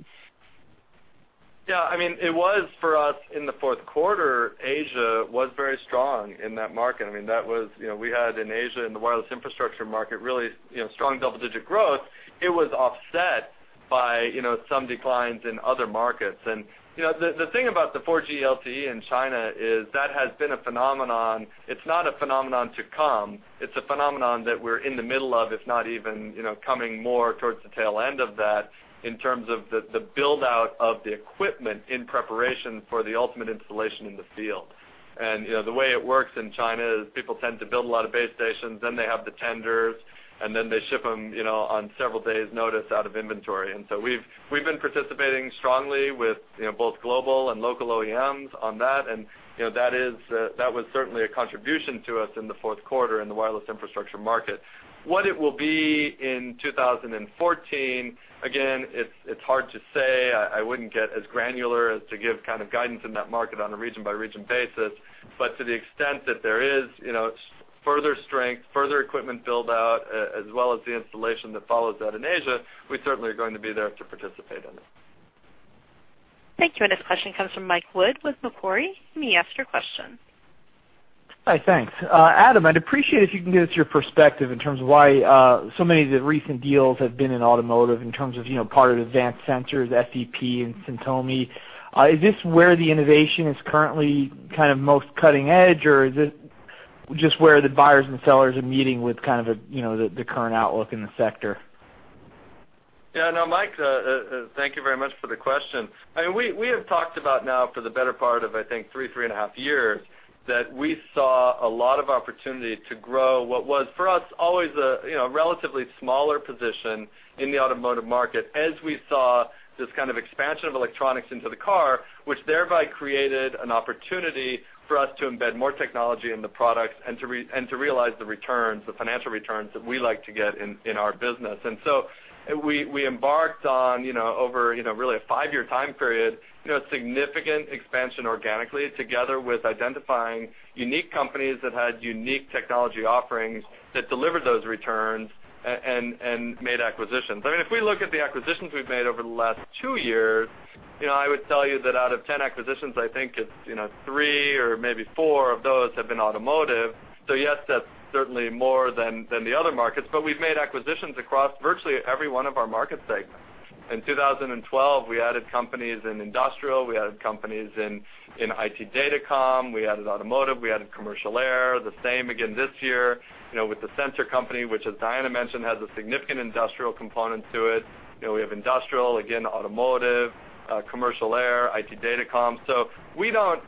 Yeah, I mean, it was for us in the Q4, Asia was very strong in that market. I mean, that was... You know, we had in Asia, in the wireless infrastructure market, really, you know, strong double-digit growth. It was offset by, you know, some declines in other markets. And, you know, the, the thing about the 4G LTE in China is that has been a phenomenon. It's not a phenomenon to come. It's a phenomenon that we're in the middle of, if not even, you know, coming more towards the tail end of that in terms of the, the build-out of the equipment in preparation for the ultimate installation in the field. You know, the way it works in China is people tend to build a lot of base stations, then they have the tenders, and then they ship them, you know, on several days' notice out of inventory. So we've been participating strongly with, you know, both global and local OEMs on that. You know, that is, that was certainly a contribution to us in the Q4 in the wireless infrastructure market. What it will be in 2014, again, it's hard to say. I wouldn't get as granular as to give kind of guidance in that market on a region-by-region basis. But to the extent that there is, you know, further strength, further equipment build-out, as well as the installation that follows that in Asia, we certainly are going to be there to participate in it. Thank you. Our next question comes from Mike Wood with Macquarie. You may ask your question. Hi, thanks. Adam, I'd appreciate if you can give us your perspective in terms of why so many of the recent deals have been in automotive in terms of, you know, part of Advanced Sensors, FEP and Cemm Thome. Is this where the innovation is currently kind of most cutting edge, or is it just where the buyers and sellers are meeting with kind of, you know, the current outlook in the sector? Yeah, no, Mike, thank you very much for the question. I mean, we have talked about now for the better part of, I think, 3, 3.5 years, that we saw a lot of opportunity to grow what was, for us, always a, you know, relatively smaller position in the automotive market, as we saw this kind of expansion of electronics into the car, which thereby created an opportunity for us to embed more technology in the products and to realize the returns, the financial returns that we like to get in our business. And so we embarked on, you know, over, you know, really a 5-year time period, you know, significant expansion organically, together with identifying unique companies that had unique technology offerings that delivered those returns and made acquisitions. I mean, if we look at the acquisitions we've made over the last 2 years, you know, I would tell you that out of 10 acquisitions, I think it's, you know, three or maybe four of those have been automotive. So yes, that's certainly more than, than the other markets, but we've made acquisitions across virtually every one of our market segments. In 2012, we added companies in industrial, we added companies in, in IT Datacom, we added automotive, we added commercial air, the same again this year, you know, with the sensor company, which, as Diana mentioned, has a significant industrial component to it. You know, we have industrial, again, automotive, commercial air, IT Datacom. So we don't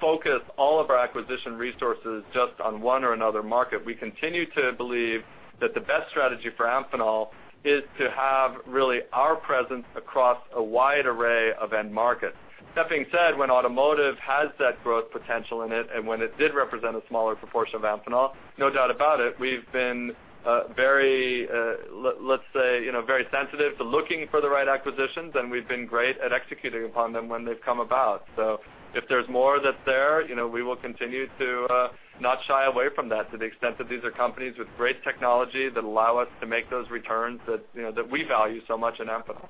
focus all of our acquisition resources just on one or another market. We continue to believe that the best strategy for Amphenol is to have really our presence across a wide array of end markets. That being said, when automotive has that growth potential in it, and when it did represent a smaller proportion of Amphenol, no doubt about it, we've been very, let's say, you know, very sensitive to looking for the right acquisitions, and we've been great at executing upon them when they've come about. If there's more that's there, you know, we will continue to not shy away from that to the extent that these are companies with great technology that allow us to make those returns that, you know, that we value so much in Amphenol.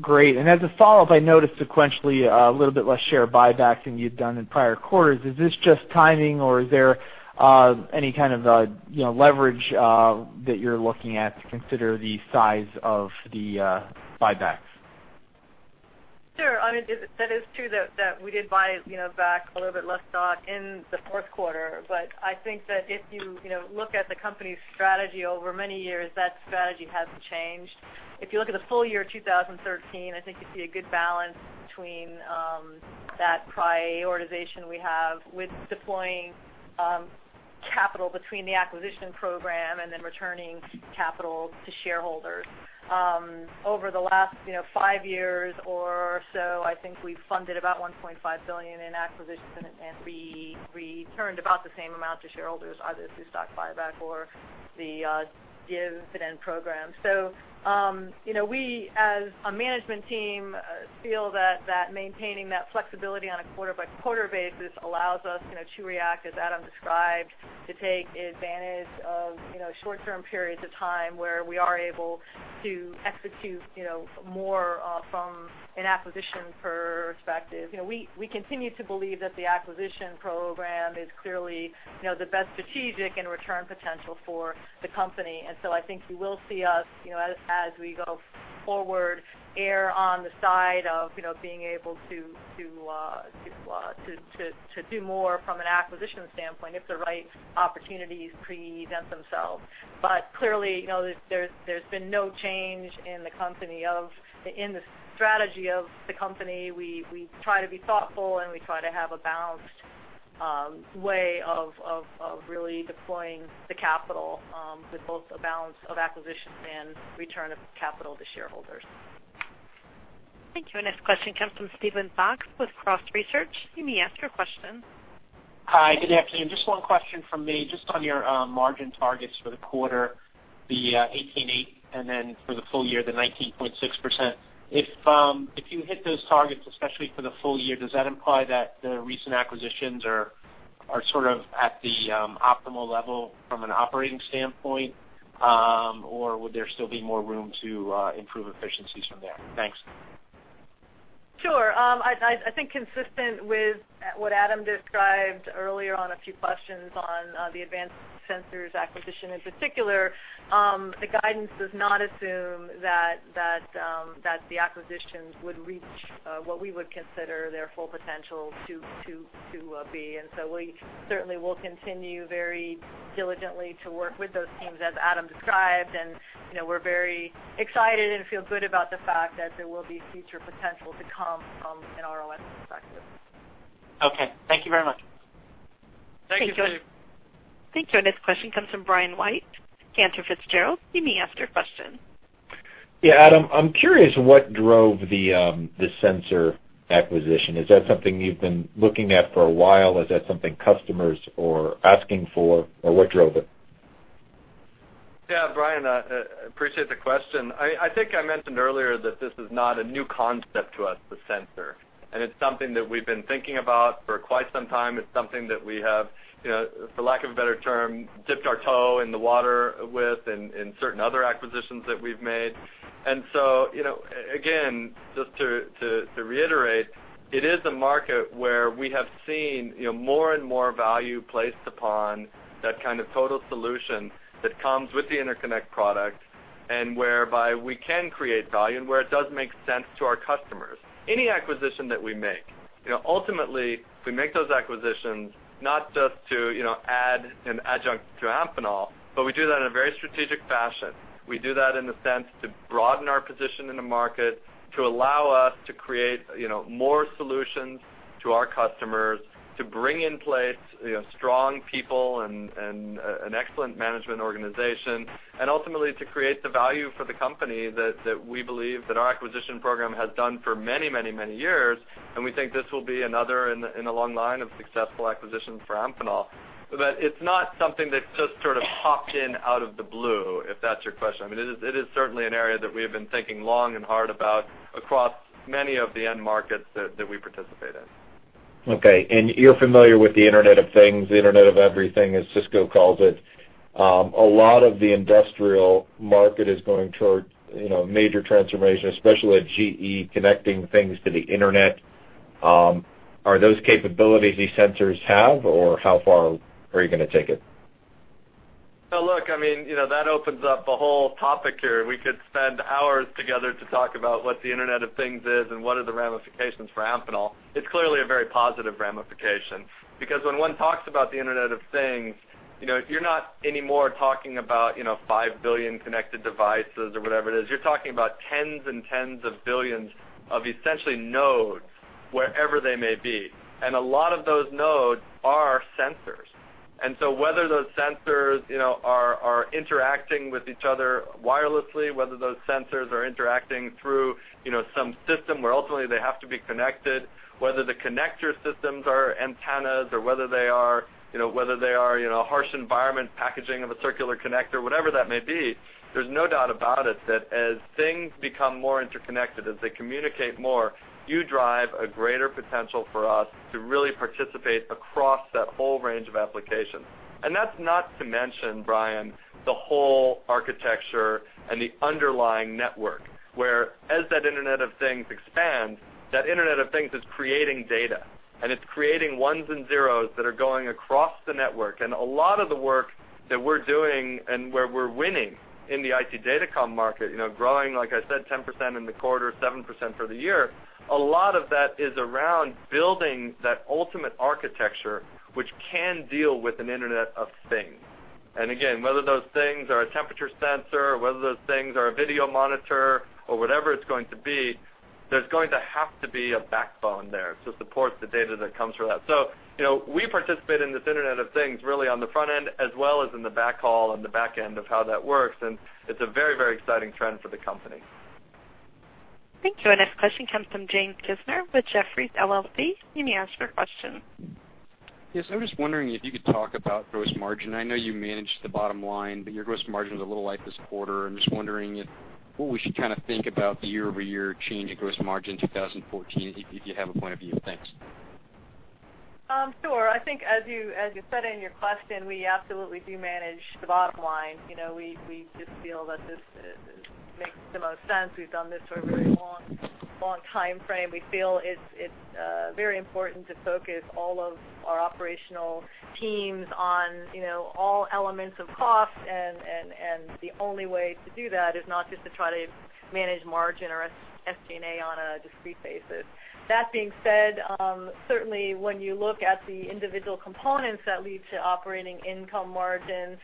Great. And as a follow-up, I noticed sequentially, a little bit less share buyback than you'd done in prior quarters. Is this just timing, or is there, any kind of, you know, leverage, that you're looking at to consider the size of the, buybacks? Sure. I mean, that is true that we did buy, you know, back a little bit less stock in the Q4, but I think that if you, you know, look at the company's strategy over many years, that strategy hasn't changed. If you look at the full year 2013, I think you see a good balance between that prioritization we have with deploying capital between the acquisition program and then returning capital to shareholders. Over the last, you know, five years or so, I think we've funded about $1.5 billion in acquisitions, and we returned about the same amount to shareholders, either through stock buyback or the dividend program. So, you know, we, as a management team, feel that maintaining that flexibility on a quarter-by-quarter basis allows us, you know, to react, as Adam described, to take advantage of, you know, short-term periods of time where we are able to execute, you know, more from an acquisition perspective. You know, we continue to believe that the acquisition program is clearly, you know, the best strategic and return potential for the company. And so I think you will see us, you know, as we go forward, err on the side of, you know, being able to do more from an acquisition standpoint, if the right opportunities present themselves. But clearly, you know, there's been no change in the strategy of the company. We try to be thoughtful, and we try to have a balanced way of really deploying the capital, with both a balance of acquisitions and return of capital to shareholders. Thank you. Our next question comes from Steven Fox with Cross Research. You may ask your question. Hi, good afternoon. Just one question from me. Just on your margin targets for the quarter, the 18.8, and then for the full year, the 19.6%. If you hit those targets, especially for the full year, does that imply that the recent acquisitions are sort of at the optimal level from an operating standpoint, or would there still be more room to improve efficiencies from there? Thanks. Sure. I think consistent with what Adam described earlier on a few questions on the Advanced Sensors acquisition, in particular, the guidance does not assume that the acquisitions would reach what we would consider their full potential to be. And so we certainly will continue very diligently to work with those teams, as Adam described, and, you know, we're very excited and feel good about the fact that there will be future potential to come from an ROS perspective. Okay. Thank you very much. Thank you, Steve. Thank you. Our next question comes from Brian White, Cantor Fitzgerald. You may ask your question. Yeah, Adam, I'm curious what drove the sensor acquisition. Is that something you've been looking at for a while? Is that something customers are asking for, or what drove it? Yeah, Brian, appreciate the question. I think I mentioned earlier that this is not a new concept to us, the sensor, and it's something that we've been thinking about for quite some time. It's something that we have, you know, for lack of a better term, dipped our toe in the water with in certain other acquisitions that we've made. And so, you know, again, just to reiterate, it is a market where we have seen, you know, more and more value placed upon that kind of total solution that comes with the interconnect product and whereby we can create value and where it does make sense to our customers. Any acquisition that we make, you know, ultimately, we make those acquisitions not just to, you know, add an adjunct to Amphenol, but we do that in a very strategic fashion. We do that in the sense to broaden our position in the market, to allow us to create, you know, more solutions to our customers, to bring in place, you know, strong people and an excellent management organization, and ultimately to create the value for the company that we believe that our acquisition program has done for many, many, many years, and we think this will be another in a long line of successful acquisitions for Amphenol. But it's not something that just sort of popped in out of the blue, if that's your question. I mean, it is certainly an area that we have been thinking long and hard about across many of the end markets that we participate in. Okay. And you're familiar with the Internet of Things, the Internet of Everything, as Cisco calls it. A lot of the industrial market is going toward, you know, major transformation, especially at GE, connecting things to the internet. Are those capabilities these sensors have, or how far are you gonna take it? So look, I mean, you know, that opens up a whole topic here. We could spend hours together to talk about what the Internet of Things is and what are the ramifications for Amphenol. It's clearly a very positive ramification because when one talks about the Internet of Things, you know, you're not anymore talking about, you know, five billion connected devices or whatever it is. You're talking about tens and tens of billions of essentially nodes, wherever they may be. And a lot of those nodes are sensors.... And so whether those sensors, you know, are interacting with each other wirelessly, whether those sensors are interacting through, you know, some system where ultimately they have to be connected, whether the connector systems are antennas or whether they are, you know, whether they are, you know, a harsh environment, packaging of a circular connector, whatever that may be, there's no doubt about it that as things become more interconnected, as they communicate more, you drive a greater potential for us to really participate across that whole range of applications. And that's not to mention, Brian, the whole architecture and the underlying network, where as that Internet of Things expands, that Internet of Things is creating data, and it's creating ones and zeros that are going across the network. A lot of the work that we're doing and where we're winning in the IT datacom market, you know, growing, like I said, 10% in the quarter, 7% for the year, a lot of that is around building that ultimate architecture, which can deal with an Internet of Things. And again, whether those things are a temperature sensor, or whether those things are a video monitor or whatever it's going to be, there's going to have to be a backbone there to support the data that comes from that. So, you know, we participate in this Internet of Things really on the front end as well as in the backhaul and the back end of how that works, and it's a very, very exciting trend for the company. Thank you. Our next question comes from James Kisner with Jefferies LLC. You may ask your question. Yes. I'm just wondering if you could talk about gross margin. I know you managed the bottom line, but your gross margin was a little light this quarter. I'm just wondering if what we should kind of think about the year-over-year change in gross margin in 2014, if you have a point of view. Thanks. Sure. I think as you, as you said in your question, we absolutely do manage the bottom line. You know, we, we just feel that this, makes the most sense. We've done this for a very long, long time frame. We feel it's very important to focus all of our operational teams on, you know, all elements of cost, and the only way to do that is not just to try to manage margin or SG&A on a discrete basis. That being said, certainly when you look at the individual components that lead to operating income margin,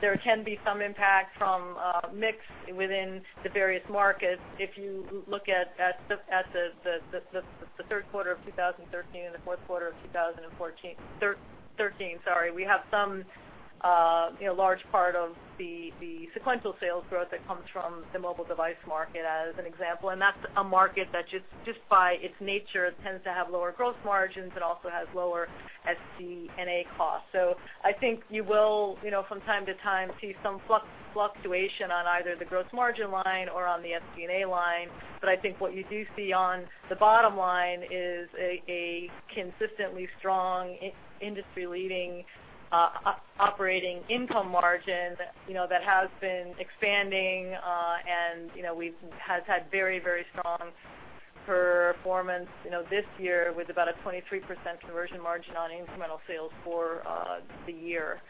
there can be some impact from, mix within the various markets. If you look at the Q3 of 2013 and the Q4 of 2013, sorry, we have some, you know, large part of the sequential sales growth that comes from the mobile device market as an example. And that's a market that just by its nature tends to have lower gross margins and also has lower SG&A costs. So I think you will, you know, from time to time, see some fluctuation on either the gross margin line or on the SG&A line. But I think what you do see on the bottom line is a consistently strong industry-leading operating income margin, you know, that has been expanding, and, you know, we have had very, very strong performance, you know, this year with about a 23% conversion margin on incremental sales for the year.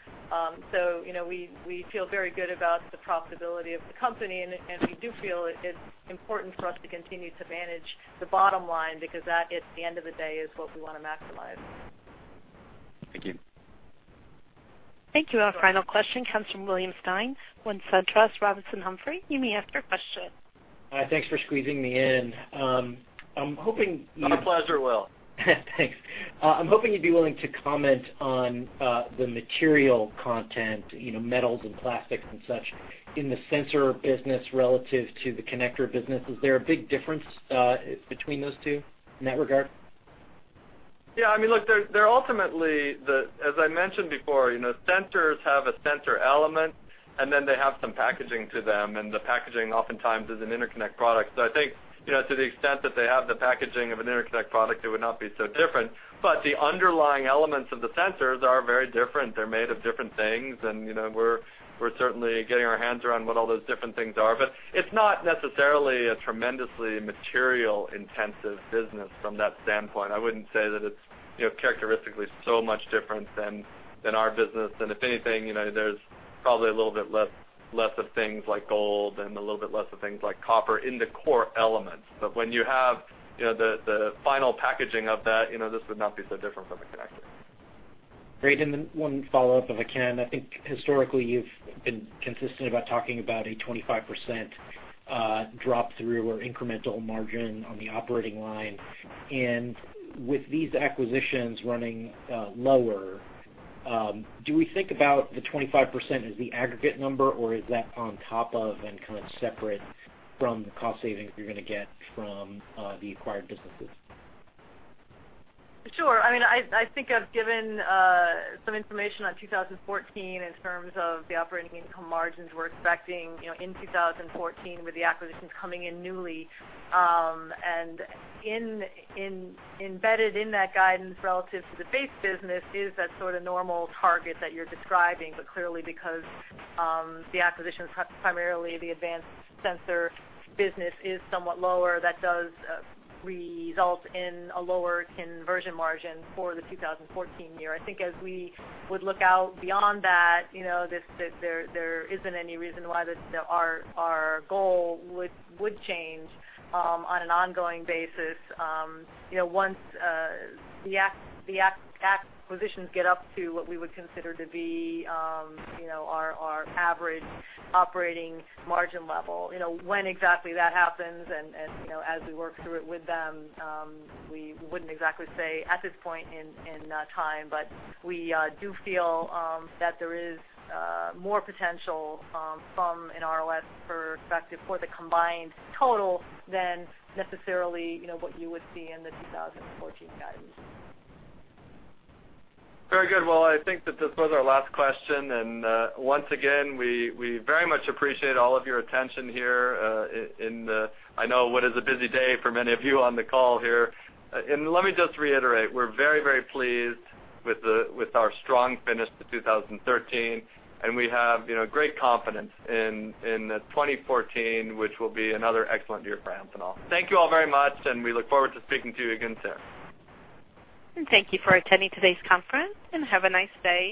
So, you know, we feel very good about the profitability of the company, and we do feel it's important for us to continue to manage the bottom line, because that, at the end of the day, is what we wanna maximize. Thank you. Thank you. Our final question comes from William Stein with SunTrust Robinson Humphrey. You may ask your question. Thanks for squeezing me in. I'm hoping- My pleasure, Will. Thanks. I'm hoping you'd be willing to comment on the material content, you know, metals and plastics and such, in the sensor business relative to the connector business. Is there a big difference between those two in that regard? Yeah, I mean, look, they're ultimately as I mentioned before, you know, sensors have a sensor element, and then they have some packaging to them, and the packaging oftentimes is an interconnect product. So I think, you know, to the extent that they have the packaging of an interconnect product, it would not be so different. But the underlying elements of the sensors are very different. They're made of different things, and, you know, we're certainly getting our hands around what all those different things are. But it's not necessarily a tremendously material-intensive business from that standpoint. I wouldn't say that it's, you know, characteristically so much different than our business. And if anything, you know, there's probably a little bit less of things like gold and a little bit less of things like copper in the core elements. But when you have, you know, the final packaging of that, you know, this would not be so different from a connector. Great. Then one follow-up, if I can. I think historically, you've been consistent about talking about a 25% drop through or incremental margin on the operating line. With these acquisitions running lower, do we think about the 25% as the aggregate number, or is that on top of and kind of separate from the cost savings you're gonna get from the acquired businesses? Sure. I mean, I think I've given some information on 2014 in terms of the operating income margins we're expecting, you know, in 2014, with the acquisitions coming in newly. And in, embedded in that guidance relative to the base business, is that sort of normal target that you're describing. But clearly, because, the acquisition is primarily the Advanced Sensors business is somewhat lower, that does, result in a lower conversion margin for the 2014 year. I think as we would look out beyond that, you know, there isn't any reason why the, our goal would change, on an ongoing basis. You know, once the acquisitions get up to what we would consider to be, you know, our average operating margin level, you know, when exactly that happens and, you know, as we work through it with them, we wouldn't exactly say at this point in time. But we do feel that there is more potential from an ROS perspective for the combined total than necessarily, you know, what you would see in the 2014 guidance. Very good. Well, I think that this was our last question, and once again, we very much appreciate all of your attention here, I know what is a busy day for many of you on the call here. And let me just reiterate, we're very, very pleased with our strong finish to 2013, and we have, you know, great confidence in 2014, which will be another excellent year for Amphenol. Thank you all very much, and we look forward to speaking to you again soon. Thank you for attending today's conference, and have a nice day.